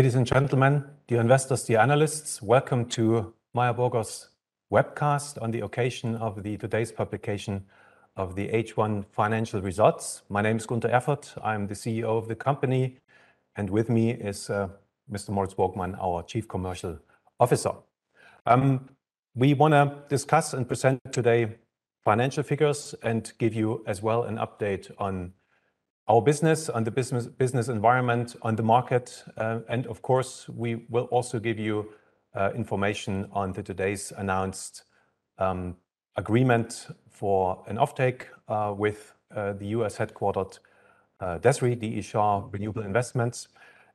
Ladies and gentlemen, dear investors, dear analysts, welcome to Meyer Burger's webcast on the occasion of today's publication of the H1 financial results. My name is Gunter Erfurt. I'm the CEO of the company, and with me is Mr. Moritz Borgmann, our Chief Commercial Officer. We wanna discuss and present today financial figures and give you as well an update on our business environment, on the market. Of course, we will also give you information on today's announced agreement for an offtake with the U.S. headquartered D. E. Shaw Renewable Investments.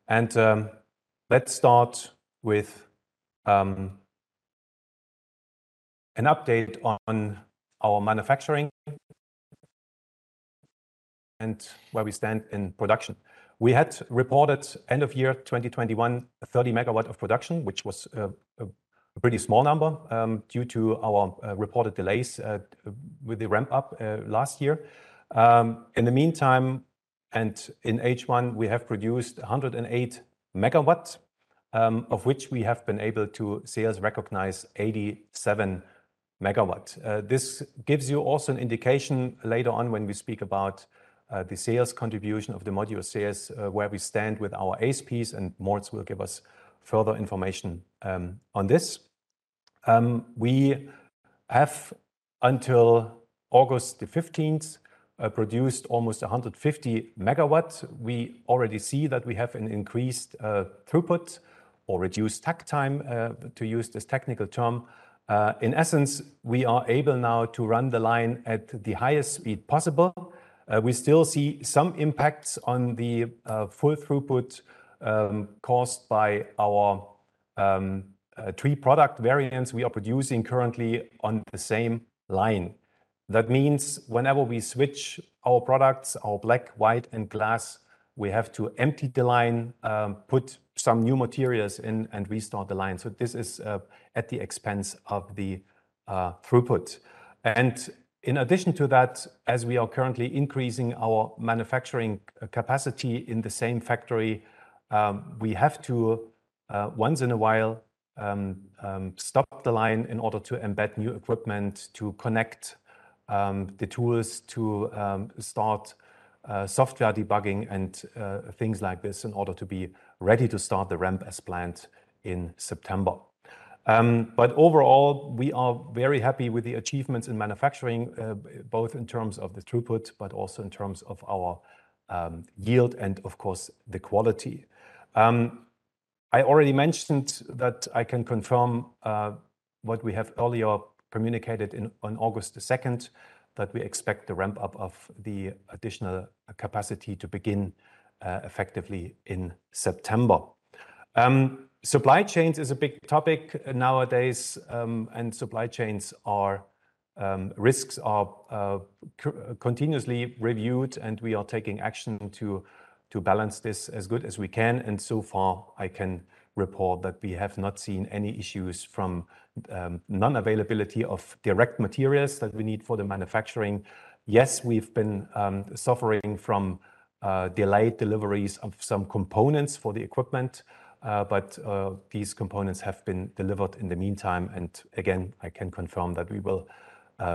Let's start with an update on our manufacturing and where we stand in production. We had reported end of year 2021, 30 MW of production, which was a pretty small number due to our reported delays with the ramp up last year. In the meantime and in H1, we have produced 108 MW, of which we have been able to sales recognize 87 MW. This gives you also an indication later on when we speak about the sales contribution of the module sales, where we stand with our ASPs and Moritz will give us further information on this. We have until August 15th produced almost 150 MW. We already see that we have an increased throughput or reduced takt time to use this technical term. In essence, we are able now to run the line at the highest speed possible. We still see some impacts on the full throughput caused by our three product variants we are producing currently on the same line. That means whenever we switch our products, our black, white, and glass, we have to empty the line, put some new materials in, and restart the line. This is at the expense of the throughput. In addition to that, as we are currently increasing our manufacturing capacity in the same factory, we have to once in a while stop the line in order to embed new equipment to connect the tools to start software debugging, and things like this in order to be ready to start the ramp as planned in September. Overall, we are very happy with the achievements in manufacturing, both in terms of the throughput, but also in terms of our yield and of course, the quality. I already mentioned that I can confirm what we have earlier communicated on August 2nd, that we expect the ramp-up of the additional capacity to begin effectively in September. Supply chains is a big topic nowadays, and supply chain risks are continuously reviewed, and we are taking action to balance this as good as we can. So far, I can report that we have not seen any issues from non-availability of direct materials that we need for the manufacturing. Yes, we've been suffering from delayed deliveries of some components for the equipment, but these components have been delivered in the meantime. Again, I can confirm that we will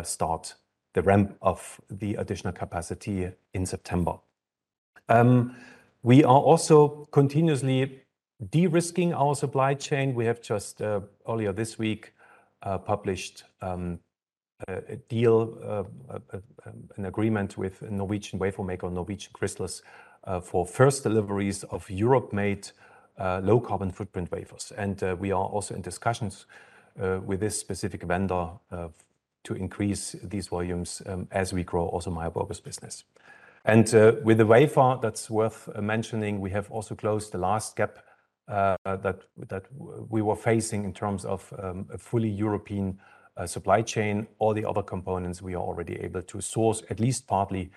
start the ramp of the additional capacity in September. We are also continuously de-risking our supply chain. We have just earlier this week published a deal, an agreement with Norwegian wafer maker Norwegian Crystals for first deliveries of European-made low carbon footprint wafers. We are also in discussions with this specific vendor to increase these volumes as we grow also Meyer Burger's business. With the wafer, that's worth mentioning, we have also closed the last gap that we were facing in terms of a fully European supply chain. All the other components we are already able to source, at least partly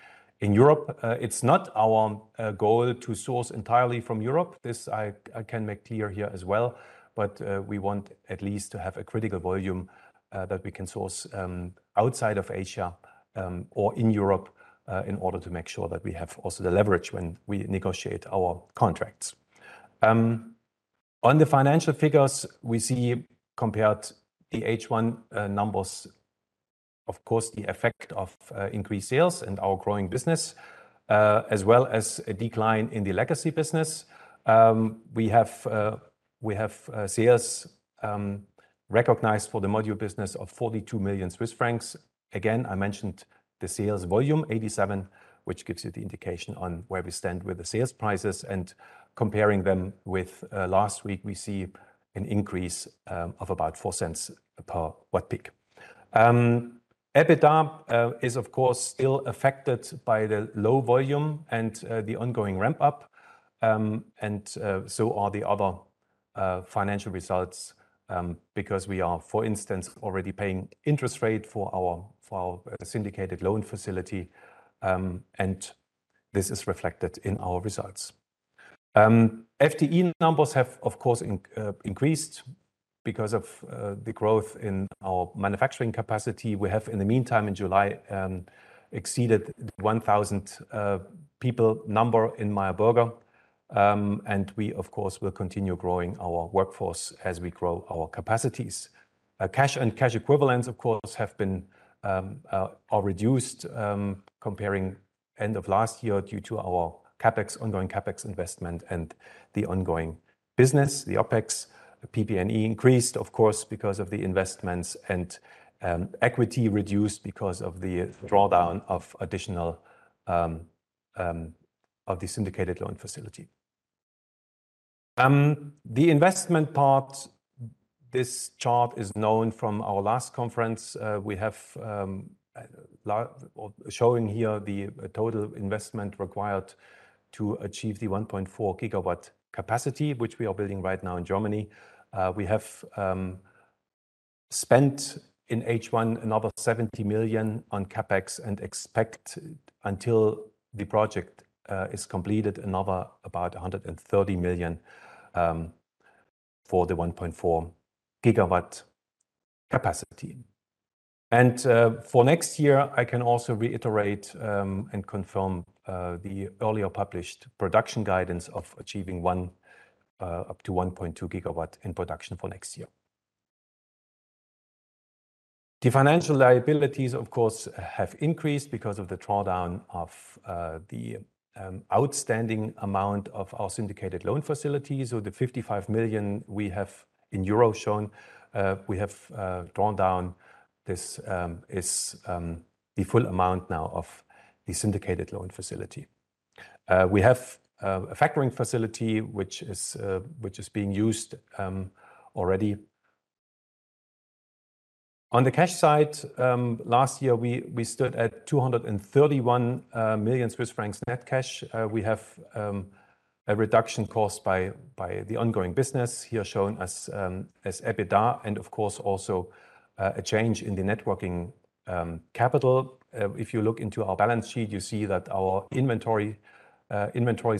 in Europe. It's not our goal to source entirely from Europe. This I can make clear here as well, but we want at least to have a critical volume that we can source outside of Asia or in Europe in order to make sure that we have also the leverage when we negotiate our contracts. On the financial figures we see compared to the H1 numbers, of course, the effect of increased sales and our growing business as well as a decline in the legacy business. We have sales recognized for the module business of 42 million Swiss francs. Again, I mentioned the sales volume, 87, which gives you the indication on where we stand with the sales prices. Comparing them with last week, we see an increase of about 0.04 per watt-peak. EBITDA is of course still affected by the low volume and the ongoing ramp up. So are the other financial results because we are, for instance, already paying interest rate for our syndicated loan facility and this is reflected in our results. FTE numbers have, of course, increased. Because of the growth in our manufacturing capacity, we have, in the meantime, in July, exceeded the 1,000 people number in Meyer Burger. We, of course, will continue growing our workforce as we grow our capacities. Our cash and cash equivalents, of course, are reduced comparing end of last year due to our CapEx, ongoing CapEx investment and the ongoing business, the OpEx. PP&E increased, of course, because of the investments and equity reduced because of the drawdown of additional of the syndicated loan facility. The investment part, this chart is known from our last conference. We have showing here the total investment required to achieve the 1.4 GW capacity, which we are building right now in Germany. We have spent in H1 another 70 million on CapEx and expect until the project is completed, another about 130 million for the 1.4 GW capacity. For next year, I can also reiterate and confirm the earlier published production guidance of achieving 1 up to 1.2 GW in production for next year. The financial liabilities, of course, have increased because of the drawdown of the outstanding amount of our syndicated loan facilities, or the 55 million we have in euro shown. We have drawn down. This is the full amount now of the syndicated loan facility. We have a factoring facility which is being used already. On the cash side, last year we stood at 231 million Swiss francs net cash. We have a reduction caused by the ongoing business, here shown as EBITDA and of course also a change in the net working capital. If you look into our balance sheet, you see that our inventories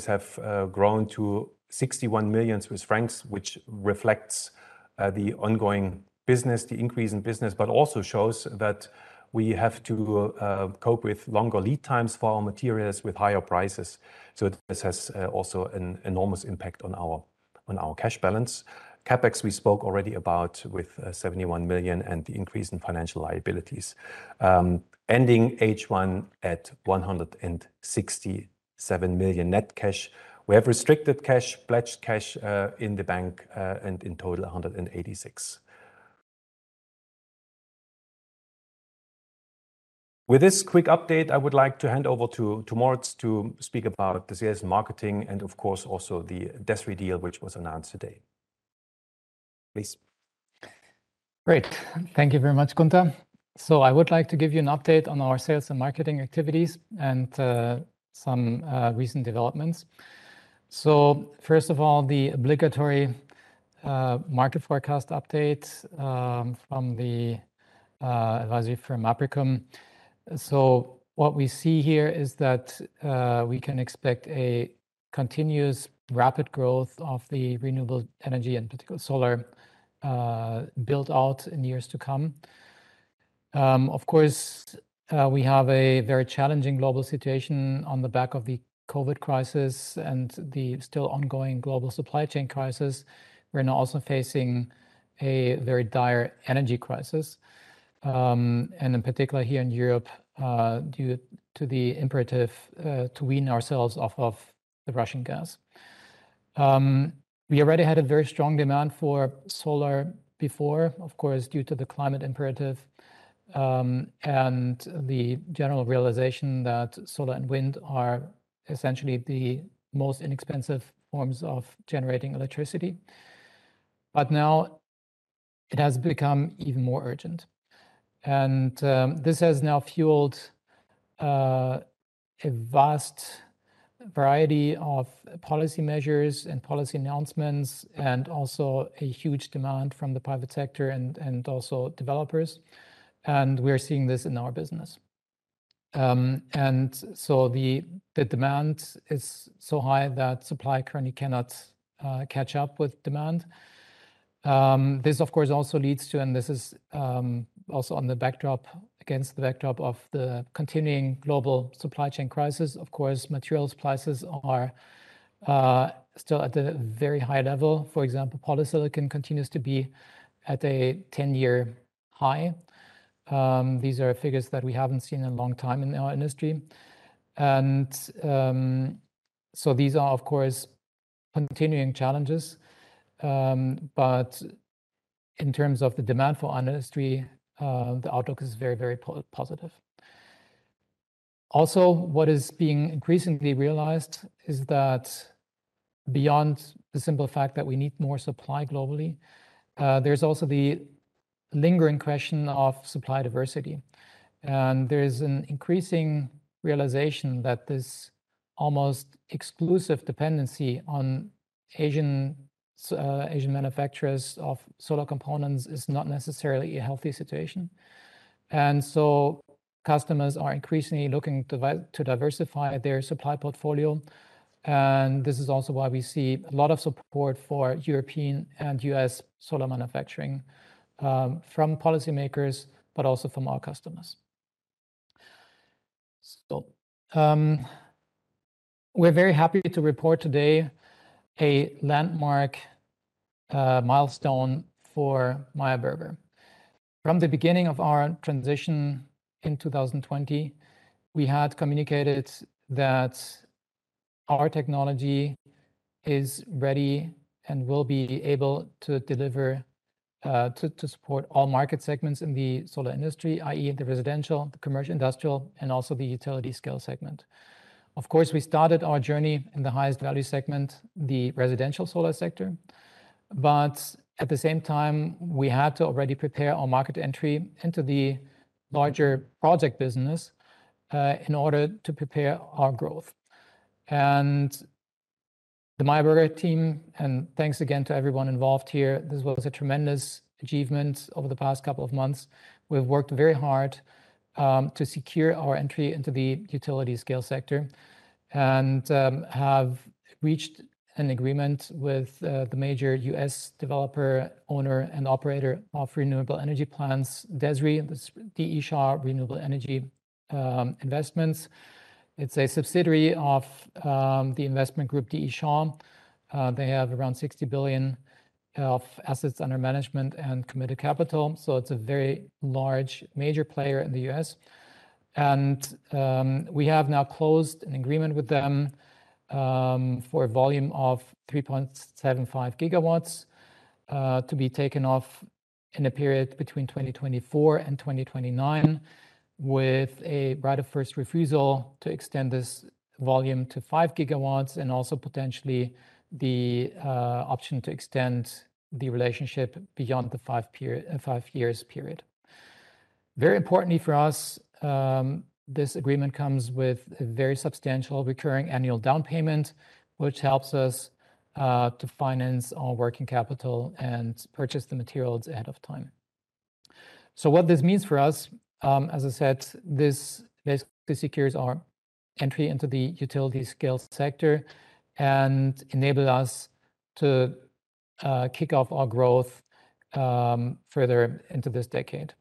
have grown to 61 million Swiss francs, which reflects the ongoing business, the increase in business, but also shows that we have to cope with longer lead times for our materials with higher prices. This has also an enormous impact on our cash balance. CapEx, we spoke already about with 71 million and the increase in financial liabilities. Ending H1 at 167 million net cash. We have restricted cash, pledged cash in the bank, and in total 186. With this quick update, I would like to hand over to Moritz to speak about the sales and marketing and of course also the DESRI deal which was announced today. Please. Great. Thank you very much, Gunter. I would like to give you an update on our sales and marketing activities and some recent developments. First of all, the obligatory market forecast update from the advisory firm Apricum. What we see here is that we can expect a continuous rapid growth of the renewable energy and particular solar build-out in years to come. Of course, we have a very challenging global situation on the back of the COVID crisis and the still ongoing global supply chain crisis. We're now also facing a very dire energy crisis and in particular here in Europe due to the imperative to wean ourselves off of the Russian gas. We already had a very strong demand for solar before, of course, due to the climate imperative, and the general realization that solar and wind are essentially the most inexpensive forms of generating electricity. Now it has become even more urgent. This has now fueled a vast variety of policy measures and policy announcements, and also a huge demand from the private sector and also developers. We are seeing this in our business. The demand is so high that supply currently cannot catch up with demand. This of course also leads to, and this is also against the backdrop of the continuing global supply chain crisis. Materials prices are still at a very high level. For example, polysilicon continues to be at a ten-year high. These are figures that we haven't seen in a long time in our industry. These are, of course, continuing challenges. In terms of the demand for our industry, the outlook is very, very positive. Also, what is being increasingly realized is that beyond the simple fact that we need more supply globally, there's also the lingering question of supply diversity. There is an increasing realization that this almost exclusive dependency on Asian manufacturers of solar components is not necessarily a healthy situation. Customers are increasingly looking to diversify their supply portfolio. This is also why we see a lot of support for European and US solar manufacturing from policymakers, but also from our customers. We're very happy to report today a landmark milestone for Meyer Burger. From the beginning of our transition in 2020, we had communicated that our technology is ready and will be able to deliver, to support all market segments in the solar industry, i.e. the residential, the commercial industrial, and also the utility scale segment. Of course, we started our journey in the highest value segment, the residential solar sector. At the same time, we had to already prepare our market entry into the larger project business, in order to prepare our growth. The Meyer Burger team, and thanks again to everyone involved here, this was a tremendous achievement over the past couple of months. We've worked very hard, to secure our entry into the utility scale sector and, have reached an agreement with, the major U.S. developer, owner, and operator of renewable energy plants, DESRI, that's D. E. Shaw Renewable Investments. It's a subsidiary of the investment group D. E. Shaw. They have around 60 billion of assets under management and committed capital, so it's a very large major player in the U.S. We have now closed an agreement with them for volume of 3.75 GW to be taken off in a period between 2024 and 2029, with a right of first refusal to extend this volume to 5 GW and also potentially the option to extend the relationship beyond the five-year period. Very importantly for us, this agreement comes with a very substantial recurring annual down payment, which helps us to finance our working capital and purchase the materials ahead of time. What this means for us, as I said, this basically secures our entry into the utility scale sector and enable us to kick off our growth further into this decade.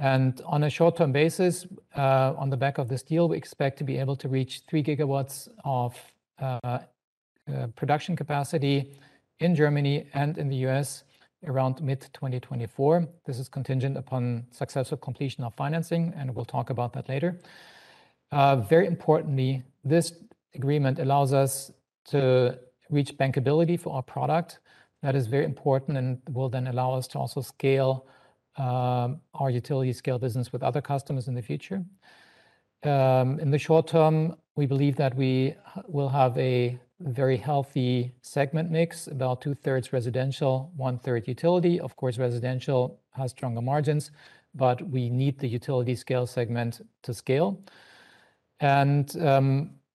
On a short-term basis, on the back of this deal, we expect to be able to reach 3 GW of production capacity in Germany and in the U.S. around mid-2024. This is contingent upon successful completion of financing, and we'll talk about that later. Very importantly, this agreement allows us to reach bankability for our product. That is very important and will then allow us to also scale our utility scale business with other customers in the future. In the short term, we believe that we will have a very healthy segment mix, about two-thirds residential, one-third utility. Of course, residential has stronger margins, but we need the utility scale segment to scale.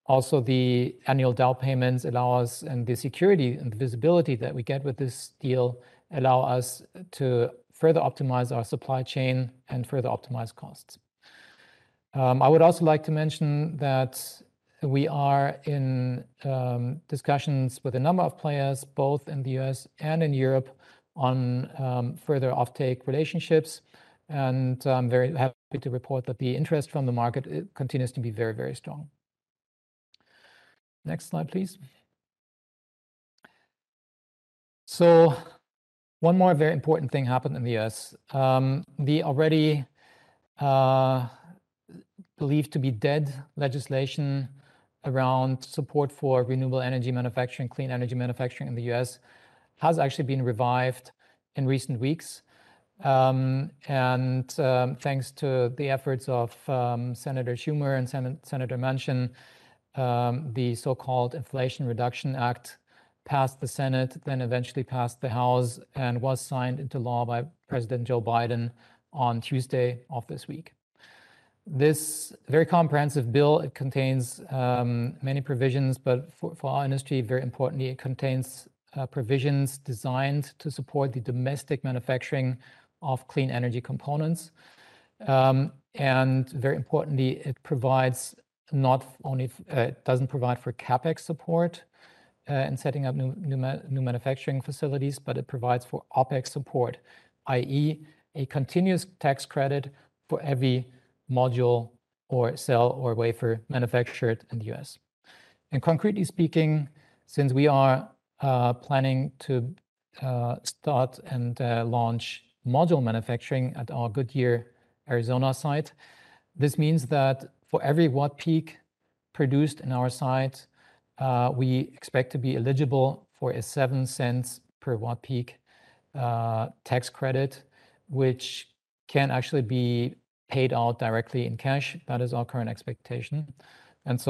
Also the annual down payments allow us, and the security and the visibility that we get with this deal allow us to further optimize our supply chain and further optimize costs. I would also like to mention that we are in discussions with a number of players, both in the U.S. and in Europe, on further offtake relationships. I'm very happy to report that the interest from the market continues to be very, very strong. Next slide, please. One more very important thing happened in the U.S. The already believed to be dead legislation around support for renewable energy manufacturing, clean energy manufacturing in the U.S. has actually been revived in recent weeks. Thanks to the efforts of Senator Schumer and Senator Manchin, the so-called Inflation Reduction Act passed the Senate, then eventually passed the House and was signed into law by President Joe Biden on Tuesday of this week. This very comprehensive bill contains many provisions, but for our industry, very importantly, it contains provisions designed to support the domestic manufacturing of clean energy components. Very importantly, it provides not only, it doesn't provide for CapEx support in setting up new manufacturing facilities, but it provides for OpEx support, i.e., a continuous tax credit for every module or cell or wafer manufactured in the U.S. Concretely speaking, since we are planning to start and launch module manufacturing at our Goodyear, Arizona site, this means that for every watt-peak produced in our site, we expect to be eligible for a 0.07 per watt-peak tax credit, which can actually be paid out directly in cash. That is our current expectation.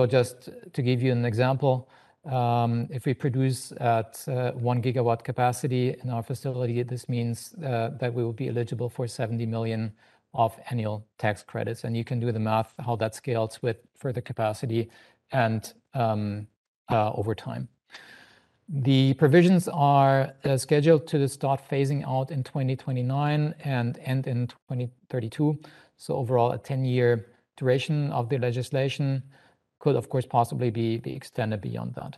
Just to give you an example, if we produce at 1 GW capacity in our facility, this means that we will be eligible for 70 million of annual tax credits. You can do the math, how that scales with further capacity and over time. The provisions are scheduled to start phasing out in 2029 and end in 2032. Overall, a 10-year duration of the legislation could, of course, possibly be extended beyond that.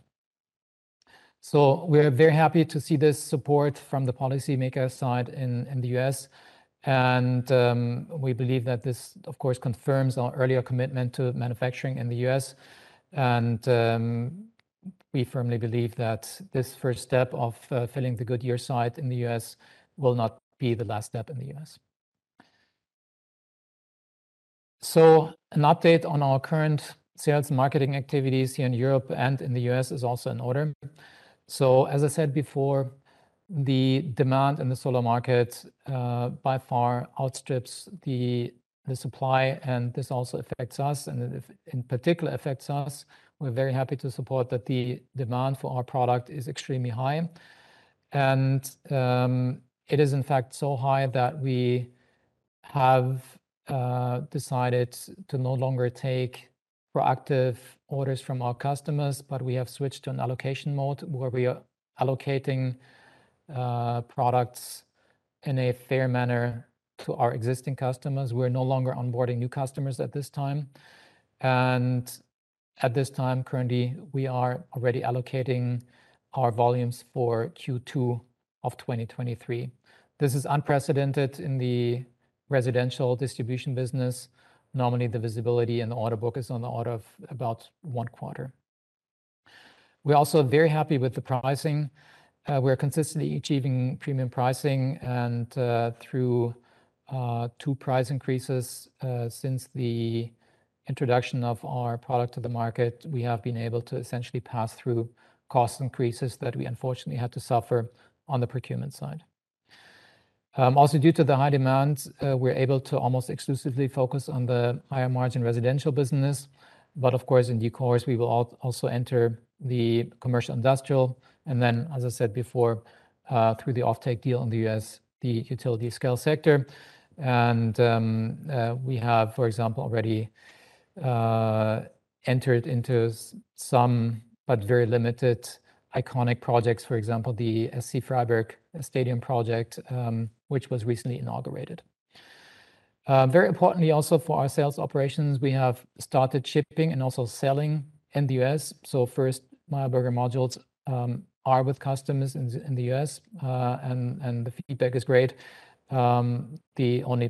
We're very happy to see this support from the policymaker side in the U.S., and we believe that this of course confirms our earlier commitment to manufacturing in the U.S., and we firmly believe that this first step of filling the Goodyear site in the U.S. will not be the last step in the U.S. An update on our current sales and marketing activities here in Europe and in the U.S. is also in order. As I said before, the demand in the solar market by far outstrips the supply, and this also affects us and it in particular affects us. We're very happy to support that the demand for our product is extremely high, and it is in fact so high that we have decided to no longer take proactive orders from our customers. We have switched to an allocation mode where we are allocating products in a fair manner to our existing customers. We're no longer onboarding new customers at this time. At this time currently, we are already allocating our volumes for Q2 of 2023. This is unprecedented in the residential distribution business. Normally, the visibility in the order book is on the order of about one quarter. We're also very happy with the pricing. We're consistently achieving premium pricing, and through two price increases since the introduction of our product to the market, we have been able to essentially pass through cost increases that we unfortunately had to suffer on the procurement side. Also due to the high demand, we're able to almost exclusively focus on the higher margin residential business. Of course, in due course, we will also enter the commercial industrial and then, as I said before, through the offtake deal in the U.S., the utility scale sector and we have, for example, already entered into some, but very limited iconic projects. For example, the SC Freiburg stadium project, which was recently inaugurated. Very importantly also for our sales operations, we have started shipping and also selling in the U.S. First Meyer Burger modules are with customers in the U.S., and the feedback is great. The only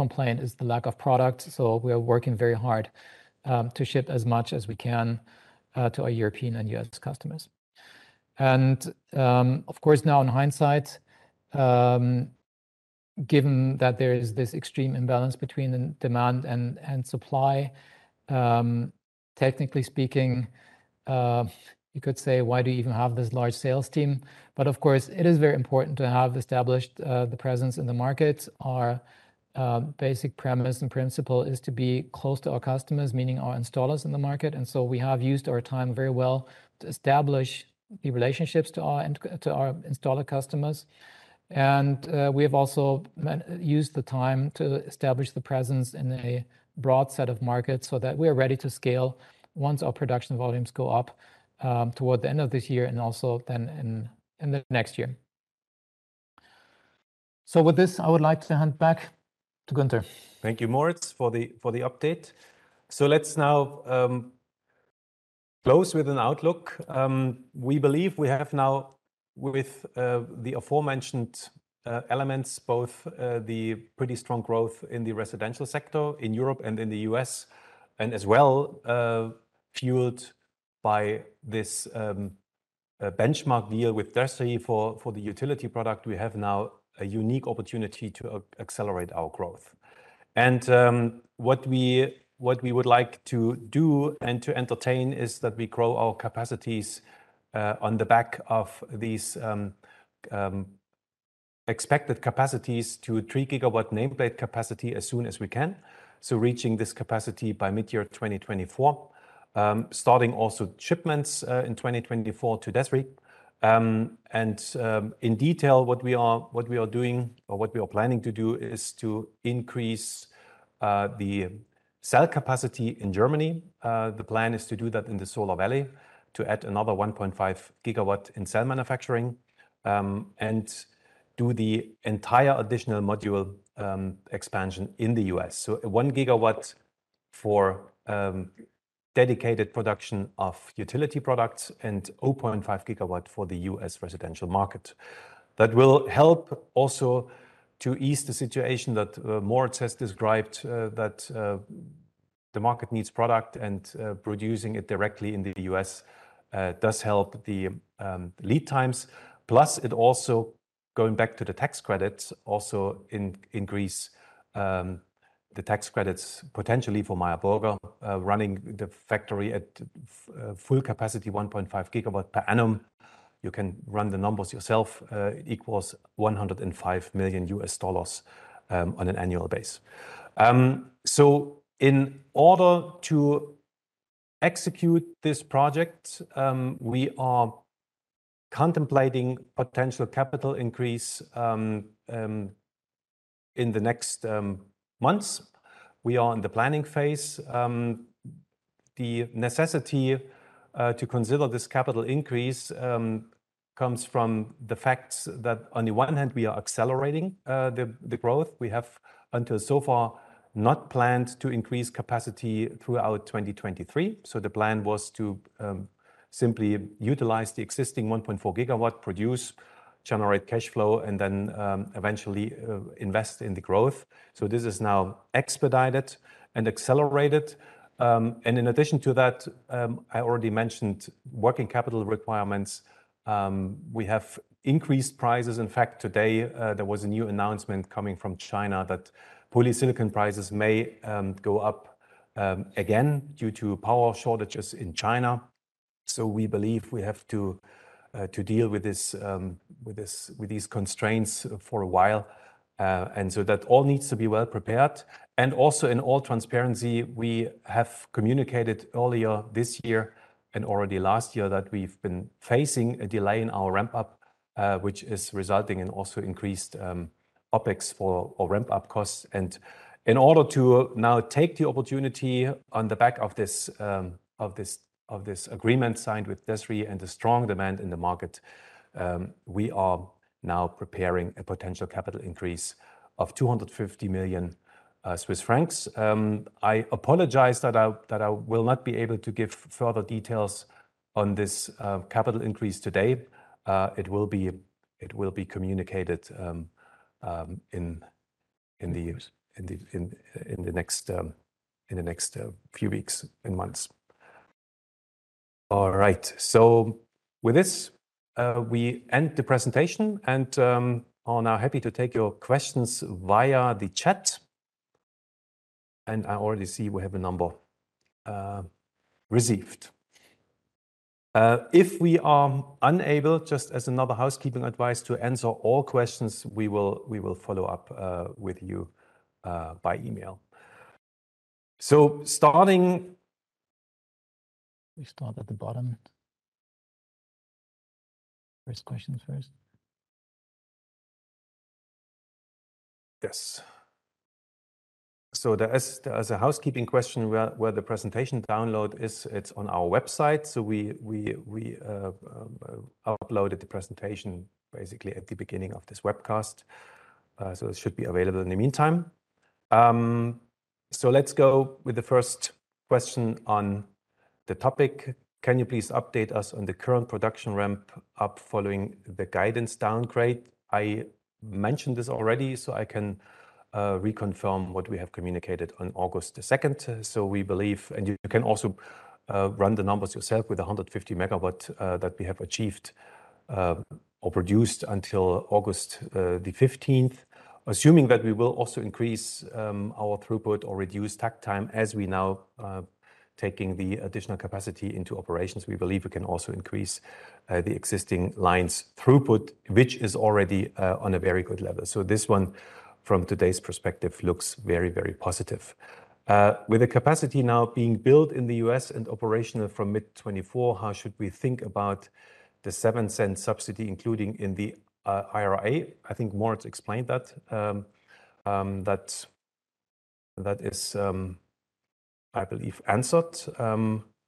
complaint is the lack of product, so we are working very hard to ship as much as we can to our European and US customers. Of course now in hindsight, given that there is this extreme imbalance between the demand and supply, technically speaking, you could say why do you even have this large sales team? Of course it is very important to have established the presence in the markets. Our basic premise and principle is to be close to our customers, meaning our installers in the market. We have used our time very well to establish the relationships to our installer customers. We have also used the time to establish the presence in a broad set of markets so that we are ready to scale once our production volumes go up, toward the end of this year and also then in the next year. With this, I would like to hand back to Gunter. Thank you, Moritz, for the update. Let's now close with an outlook. We believe we have now with the aforementioned elements both the pretty strong growth in the residential sector in Europe and in the U.S. and as well fueled by this benchmark deal with DESRI for the utility product. We have now a unique opportunity to accelerate our growth. What we would like to do and to entertain is that we grow our capacities on the back of these expected capacities to 3 GW nameplate capacity as soon as we can. Reaching this capacity by mid-year 2024. Starting also shipments in 2024 to DESRI. In detail, what we are doing or what we are planning to do is to increase the cell capacity in Germany. The plan is to do that in the Solar Valley to add another 1.5 GW in cell manufacturing, and do the entire additional module expansion in the U.S. One GW for dedicated production of utility products and 0.5 GW for the US residential market. That will help also to ease the situation that Moritz has described, that the market needs product and producing it directly in the U.S. does help the lead times. Plus it also, going back to the tax credits, also increase the tax credits potentially for Meyer Burger, running the factory at full capacity, 1.5 GW per annum. You can run the numbers yourself. It equals $105 million on an annual basis. In order to execute this project, we are contemplating potential capital increase. In the next months, we are in the planning phase. The necessity to consider this capital increase comes from the facts that on the one hand, we are accelerating the growth. We have so far not planned to increase capacity throughout 2023. The plan was to simply utilize the existing 1.4 GW production, generate cash flow and then eventually invest in the growth. This is now expedited and accelerated. In addition to that, I already mentioned working capital requirements. We have increased prices. In fact, today, there was a new announcement coming from China that polysilicon prices may go up again due to power shortages in China. We believe we have to deal with these constraints for a while. That all needs to be well prepared. Also in all transparency, we have communicated earlier this year and already last year that we've been facing a delay in our ramp up, which is resulting in also increased OpEx for our ramp-up costs. In order to now take the opportunity on the back of this agreement signed with DESRI and the strong demand in the market, we are now preparing a potential capital increase of 250 million Swiss francs. I apologize that I will not be able to give further details on this capital increase today. It will be communicated in the next few weeks and months. All right. With this, we end the presentation and are now happy to take your questions via the chat. I already see we have a number received. If we are unable, just as another housekeeping advice, to answer all questions, we will follow up with you by email. We start at the bottom. First questions first. Yes. There is a housekeeping question where the presentation download is. It's on our website. We uploaded the presentation basically at the beginning of this webcast. It should be available in the meantime. Let's go with the first question on the topic. Can you please update us on the current production ramp-up following the guidance downgrade? I mentioned this already, so I can reconfirm what we have communicated on August the 2nd. We believe, and you can also run the numbers yourself with 150 MW that we have achieved or produced until August the 15th. Assuming that we will also increase our throughput or reduce takt time as we now taking the additional capacity into operations, we believe we can also increase the existing lines throughput, which is already on a very good level. This one from today's perspective looks very positive. With the capacity now being built in the U.S. and operational from mid-2024, how should we think about the 0.07 subsidy included in the IRA? I think Moritz explained that is, I believe answered.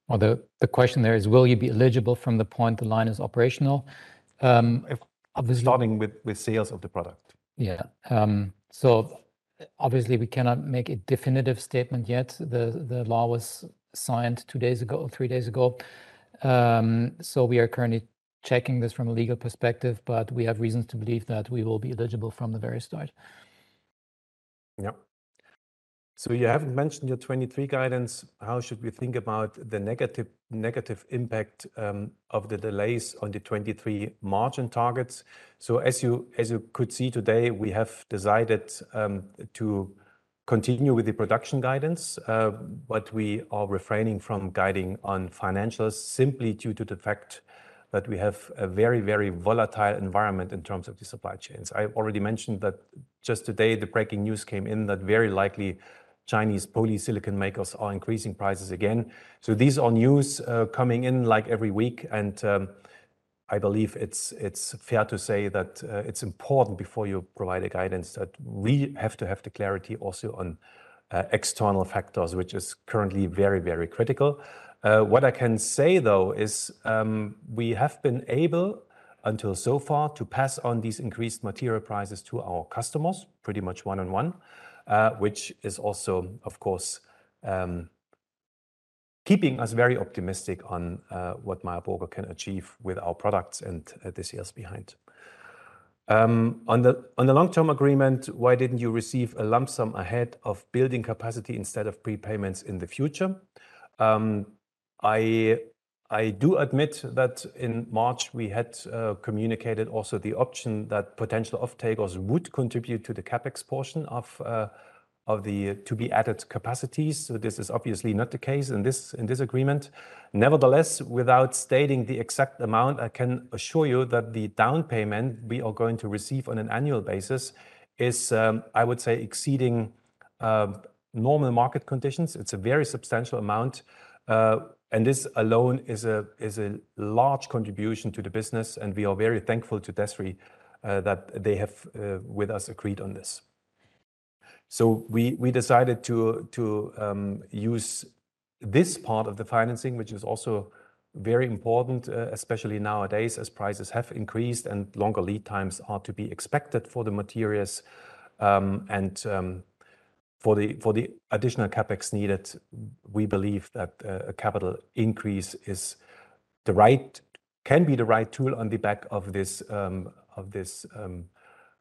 Well, the question there is, will you be eligible from the point the line is operational? Starting with sales of the product. Yeah. Obviously we cannot make a definitive statement yet. The law was signed two days ago, three days ago. We are currently checking this from a legal perspective, but we have reasons to believe that we will be eligible from the very start. Yep. You haven't mentioned your 2023 guidance. How should we think about the negative impact of the delays on the 2023 margin targets? As you could see today, we have decided to continue with the production guidance, but we are refraining from guiding on financials simply due to the fact that we have a very, very volatile environment in terms of the supply chains. I already mentioned that just today the breaking news came in that very likely Chinese polysilicon makers are increasing prices again. These are news coming in like every week, and I believe it's fair to say that it's important before you provide a guidance that we have to have the clarity also on external factors, which is currently very, very critical. What I can say though is, we have been able until so far to pass on these increased material prices to our customers, pretty much one-on-one, which is also of course, keeping us very optimistic on, what Meyer Burger can achieve with our products and the sales behind. On the long-term agreement, why didn't you receive a lump sum ahead of building capacity instead of prepayments in the future? I do admit that in March we had communicated also the option that potential offtakers would contribute to the CapEx portion of the to be added capacities. This is obviously not the case in this agreement. Nevertheless, without stating the exact amount, I can assure you that the down payment we are going to receive on an annual basis is, I would say exceeding normal market conditions. It's a very substantial amount. This alone is a large contribution to the business, and we are very thankful to DESRI that they have with us agreed on this. We decided to use this part of the financing, which is also very important, especially nowadays as prices have increased and longer lead times are to be expected for the materials. For the additional CapEx needed, we believe that a capital increase can be the right tool on the back of this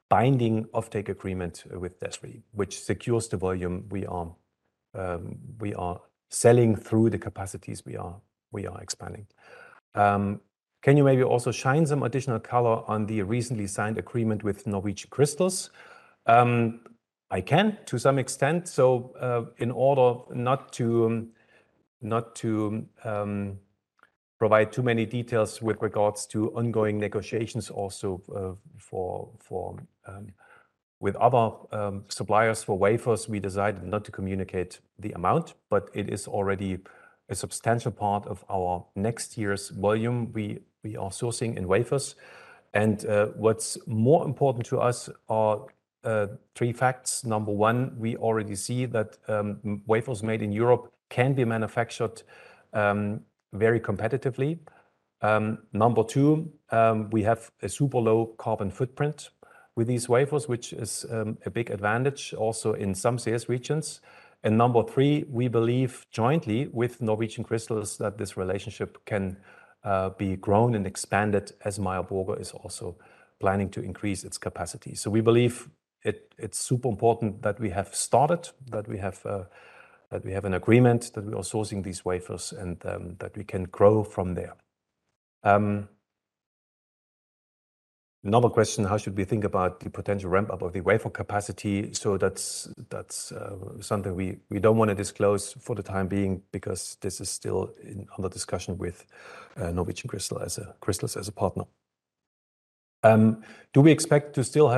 binding offtake agreement with DESRI, which secures the volume we are selling through the capacities we are expanding. Can you maybe also shine some additional color on the recently signed agreement with Norwegian Crystals? I can to some extent. In order not to provide too many details with regards to ongoing negotiations also with other suppliers for wafers, we decided not to communicate the amount, but it is already a substantial part of our next year's volume we are sourcing in wafers. What's more important to us are three facts. Number one, we already see that wafers made in Europe can be manufactured very competitively. Number two, we have a super low carbon footprint with these wafers, which is a big advantage also in some sales regions. Number three, we believe jointly with Norwegian Crystals that this relationship can be grown and expanded as Meyer Burger is also planning to increase its capacity. We believe it's super important that we have an agreement that we are sourcing these wafers and that we can grow from there. Another question, how should we think about the potential ramp-up of the wafer capacity? That's something we don't wanna disclose for the time being because this is still under discussion with Norwegian Crystals as a partner. Do we expect to still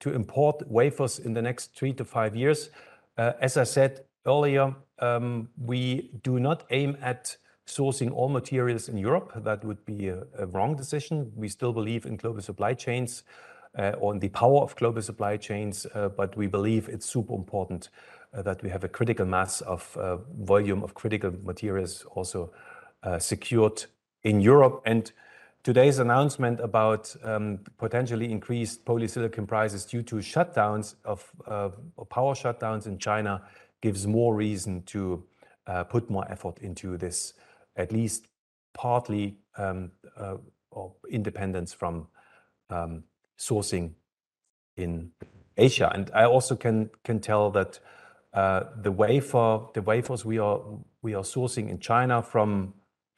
have to import wafers in the next 3-5 years? As I said earlier, we do not aim at sourcing all materials in Europe. That would be a wrong decision. We still believe in global supply chains or the power of global supply chains, but we believe it's super important that we have a critical mass of volume of critical materials also secured in Europe. Today's announcement about potentially increased polysilicon prices due to power shutdowns in China gives more reason to put more effort into this, at least partly, or independence from sourcing in Asia. I also can tell that the wafers we are sourcing in China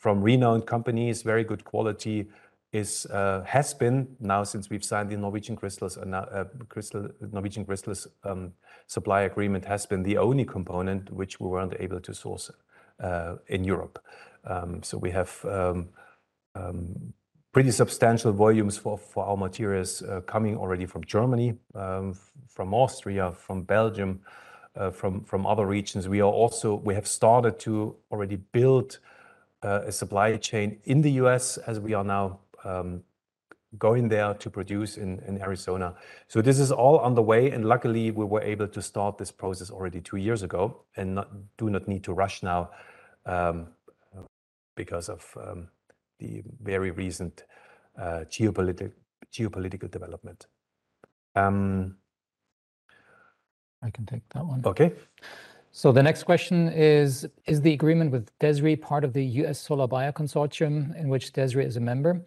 from renowned companies, very good quality, has been now since we've signed the Norwegian Crystals supply agreement the only component which we weren't able to source in Europe. We have pretty substantial volumes for our materials coming already from Germany, from Austria, from Belgium, from other regions. We have started to already build a supply chain in the U.S. as we are now going there to produce in Arizona. This is all on the way, and luckily, we were able to start this process already two years ago and do not need to rush now, because of the very recent geopolitical development. I can take that one. Okay. The next question is the agreement with DESRI part of the US Solar Buyer Consortium in which DESRI is a member.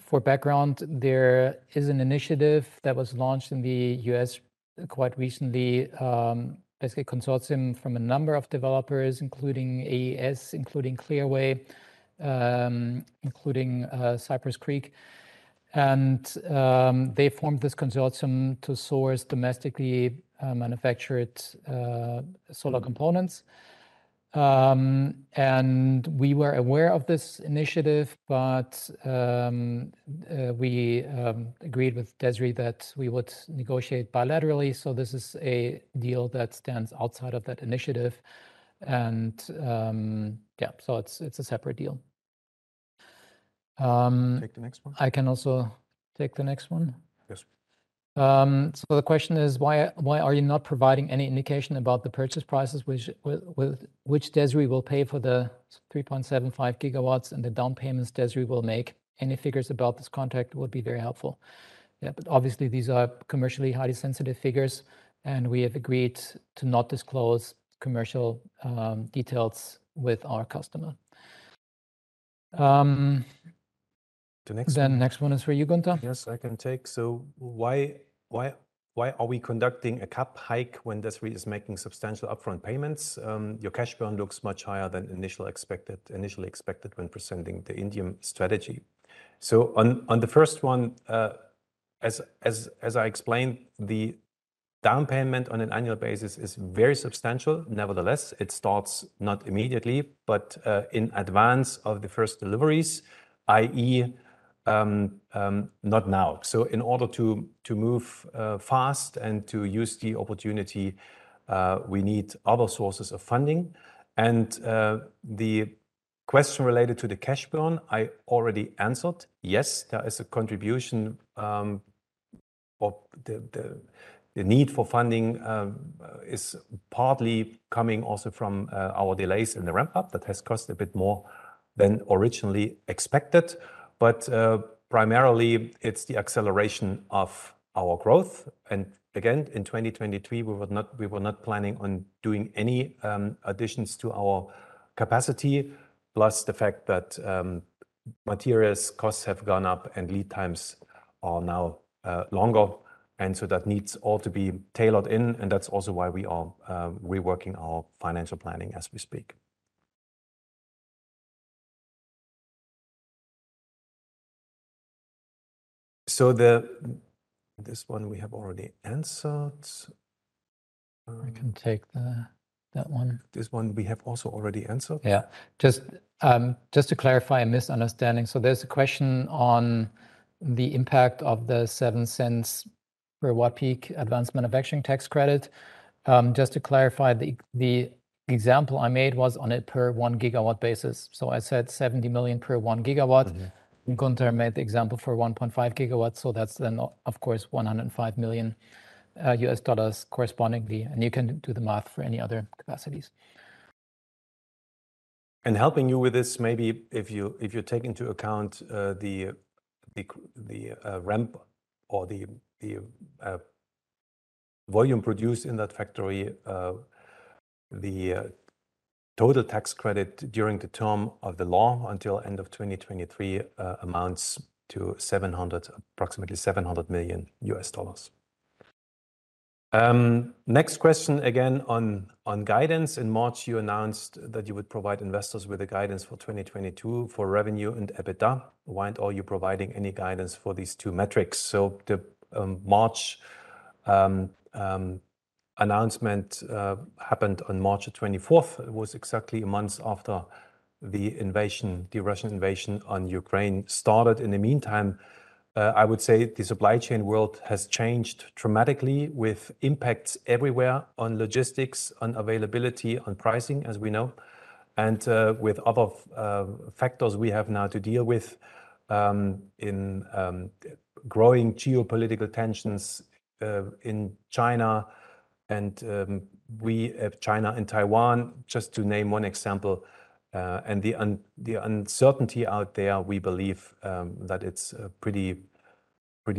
For background, there is an initiative that was launched in the U.S. quite recently, basically a consortium from a number of developers, including AES, Clearway, Cypress Creek. They formed this consortium to source domestically manufactured solar components. We were aware of this initiative, but we agreed with DESRI that we would negotiate bilaterally, so this is a deal that stands outside of that initiative. Yeah, it's a separate deal. Take the next one. I can also take the next one. Yes. The question is, why are you not providing any indication about the purchase prices which DESRI will pay for the 3.75 GW, and the down payments DESRI will make? Any figures about this contract would be very helpful. Obviously, these are commercially highly sensitive figures, and we have agreed to not disclose commercial details with our customer. The next- The next one is for you, Gunter. Yes, I can take. Why are we conducting a CapEx hike when DESRI is making substantial upfront payments? Your cash burn looks much higher than initially expected when presenting the initial strategy. On the first one, as I explained, the down payment on an annual basis is very substantial. Nevertheless, it starts not immediately, but in advance of the first deliveries, i.e., not now. In order to move fast and to use the opportunity, we need other sources of funding. The question related to the cash burn, I already answered. Yes, there is a contribution, or the need for funding is partly coming also from our delays in the ramp up that has cost a bit more than originally expected. Primarily it's the acceleration of our growth. Again, in 2023, we were not planning on doing any additions to our capacity. Plus the fact that materials costs have gone up and lead times are now longer. That needs all to be tailored in, and that's also why we are reworking our financial planning as we speak. This one we have already answered. I can take that one. This one we have also already answered. Yeah. Just to clarify a misunderstanding. There's a question on the impact of the 7 per watt-peak Advanced Manufacturing Production Credit. Just to clarify, the example I made was on a per 1 GW basis, so I said 70 million per 1 GW. Mm-hmm. Gunter made the example for 1.5 GW, so that's then of course $105 million correspondingly, and you can do the math for any other capacities. Helping you with this, maybe if you take into account the ramp or the volume produced in that factory, the total tax credit during the term of the law until end of 2023 amounts to approximately $700 million. Next question again on guidance. In March, you announced that you would provide investors with a guidance for 2022 for revenue and EBITDA. Why aren't you providing any guidance for these two metrics? The March announcement happened on March 24th. It was exactly a month after the invasion, the Russian invasion of Ukraine started. In the meantime, I would say the supply chain world has changed dramatically with impacts everywhere on logistics, on availability, on pricing, as we know. With other factors we have now to deal with, in growing geopolitical tensions in China and Taiwan, just to name one example. The uncertainty out there, we believe, that it's pretty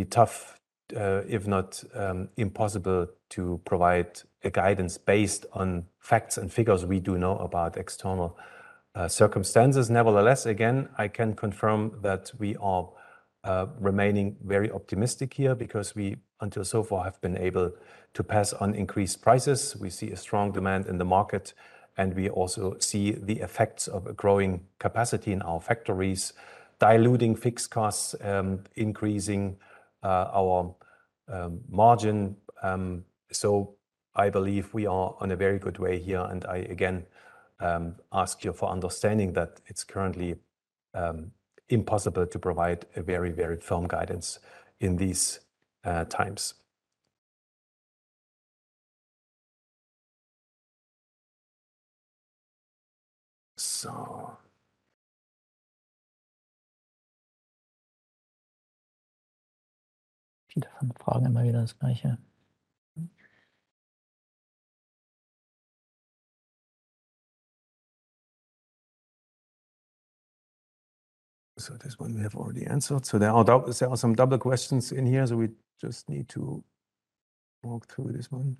tough, if not impossible to provide a guidance based on facts and figures we do know about external circumstances. Nevertheless, again, I can confirm that we are remaining very optimistic here because we, until so far, have been able to pass on increased prices. We see a strong demand in the market, and we also see the effects of a growing capacity in our factories, diluting fixed costs, increasing our margin. I believe we are on a very good way here, and I again ask you for understanding that it's currently impossible to provide a very, very firm guidance in these times. This one we have already answered. There are some double questions in here, so we just need to walk through this one.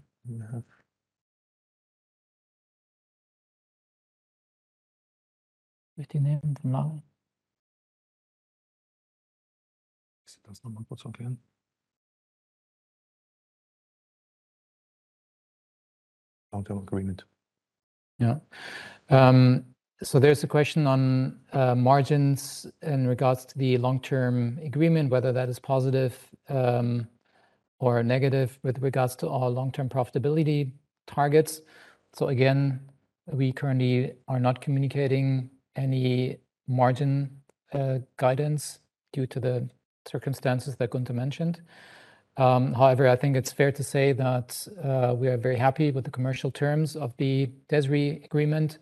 Long-term agreement. Yeah. So there's a question on margins in regards to the long-term agreement, whether that is positive or negative with regards to our long-term profitability targets. Again, we currently are not communicating any margin guidance due to the circumstances that Gunter mentioned. However, I think it's fair to say that we are very happy with the commercial terms of the DESRI agreement.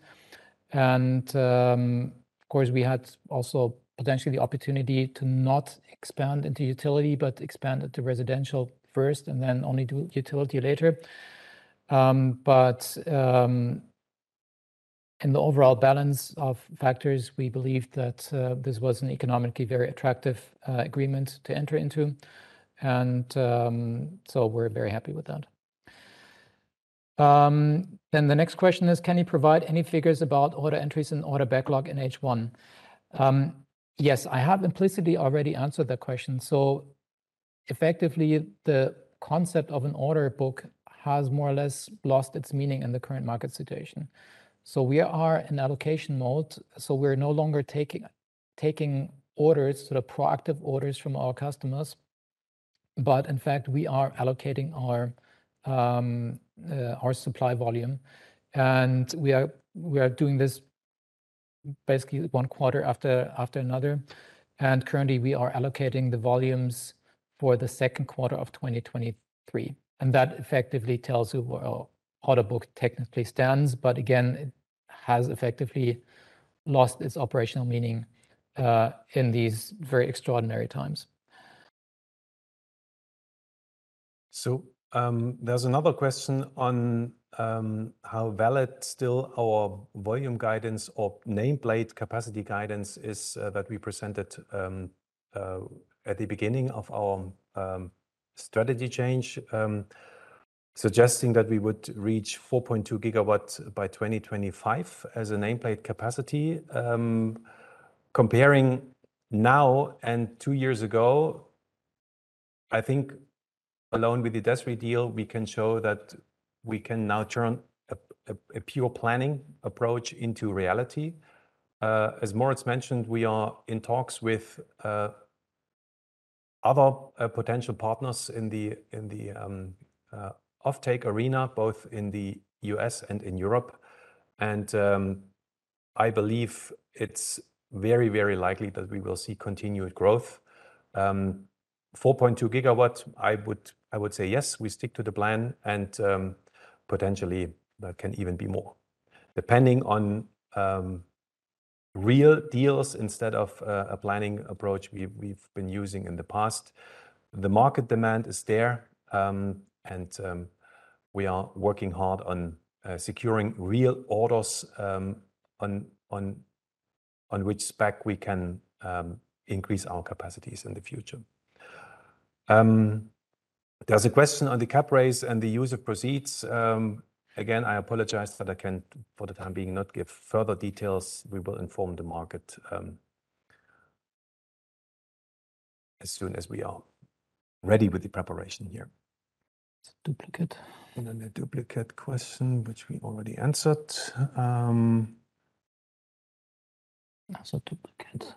Of course, we had also potentially the opportunity to not expand into utility, but expand into residential first and then only do utility later. In the overall balance of factors, we believe that this was an economically very attractive agreement to enter into. We're very happy with that. The next question is, can you provide any figures about order entries and order backlog in H1? Yes, I have implicitly already answered that question. Effectively, the concept of an order book has more or less lost its meaning in the current market situation. We are in allocation mode, so we're no longer taking orders, sort of proactive orders from our customers. In fact, we are allocating our supply volume, and we are doing this basically one quarter after another. Currently, we are allocating the volumes for the second quarter of 2023. That effectively tells you where our order book technically stands, but again, it has effectively lost its operational meaning in these very extraordinary times. There's another question on how valid still our volume guidance or nameplate capacity guidance is that we presented at the beginning of our strategy change, suggesting that we would reach 4.2 GW by 2025 as a nameplate capacity. Comparing now and two years ago, I think alone with the DESRI deal, we can show that we can now turn a pure planning approach into reality. As Moritz mentioned, we are in talks with other potential partners in the offtake arena, both in the U.S. and in Europe. I believe it's very, very likely that we will see continued growth. 4.2 GW, I would say yes, we stick to the plan and potentially there can even be more. Depending on real deals instead of a planning approach we've been using in the past, the market demand is there, and we are working hard on securing real orders, on which basis we can increase our capacities in the future. There's a question on the capital raise and the use of proceeds. Again, I apologize that I can, for the time being, not give further details. We will inform the market, as soon as we are ready with the preparation here. Duplicate. A duplicate question which we already answered. Also duplicate.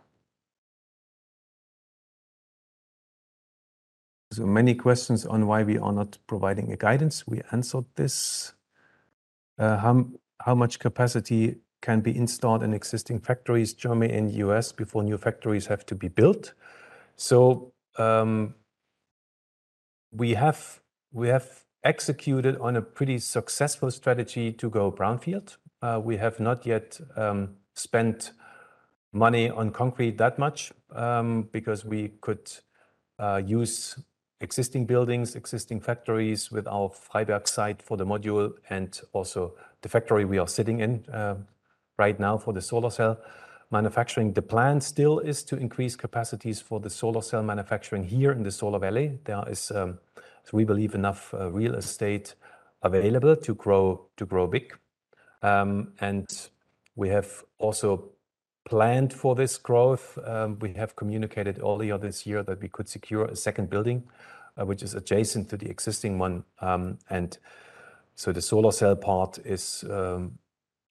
Many questions on why we are not providing a guidance. We answered this. How much capacity can be installed in existing factories, Germany and U.S., before new factories have to be built? We have executed on a pretty successful strategy to go brownfield. We have not yet spent money on concrete that much because we could use existing buildings, existing factories with our Freiburg site for the module and also the factory we are sitting in right now for the solar cell manufacturing. The plan still is to increase capacities for the solar cell manufacturing here in the Solar Valley. There is, we believe, enough real estate available to grow big. We have also planned for this growth. We have communicated earlier this year that we could secure a second building, which is adjacent to the existing one. The solar cell part is,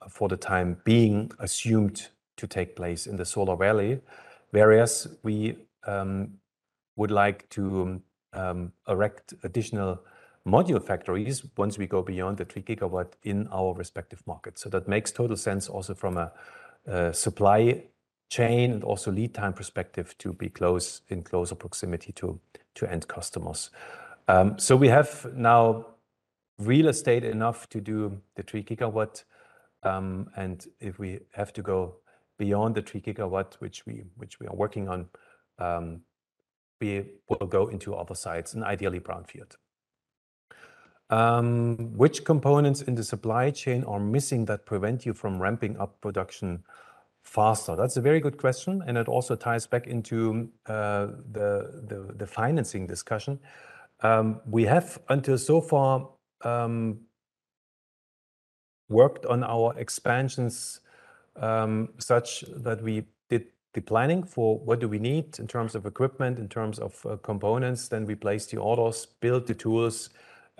for the time being, assumed to take place in the Solar Valley. Whereas we would like to erect additional module factories once we go beyond the 3 GW in our respective markets. That makes total sense also from a supply chain and also lead time perspective to be close, in closer proximity to end customers. We have now real estate enough to do the 3 GW, and if we have to go beyond the 3 GW, which we are working on, we will go into other sites and ideally brownfield. Which components in the supply chain are missing that prevent you from ramping up production faster? That's a very good question, and it also ties back into the financing discussion. We have until so far worked on our expansions such that we did the planning for what do we need in terms of equipment, in terms of components. We placed the orders, built the tools,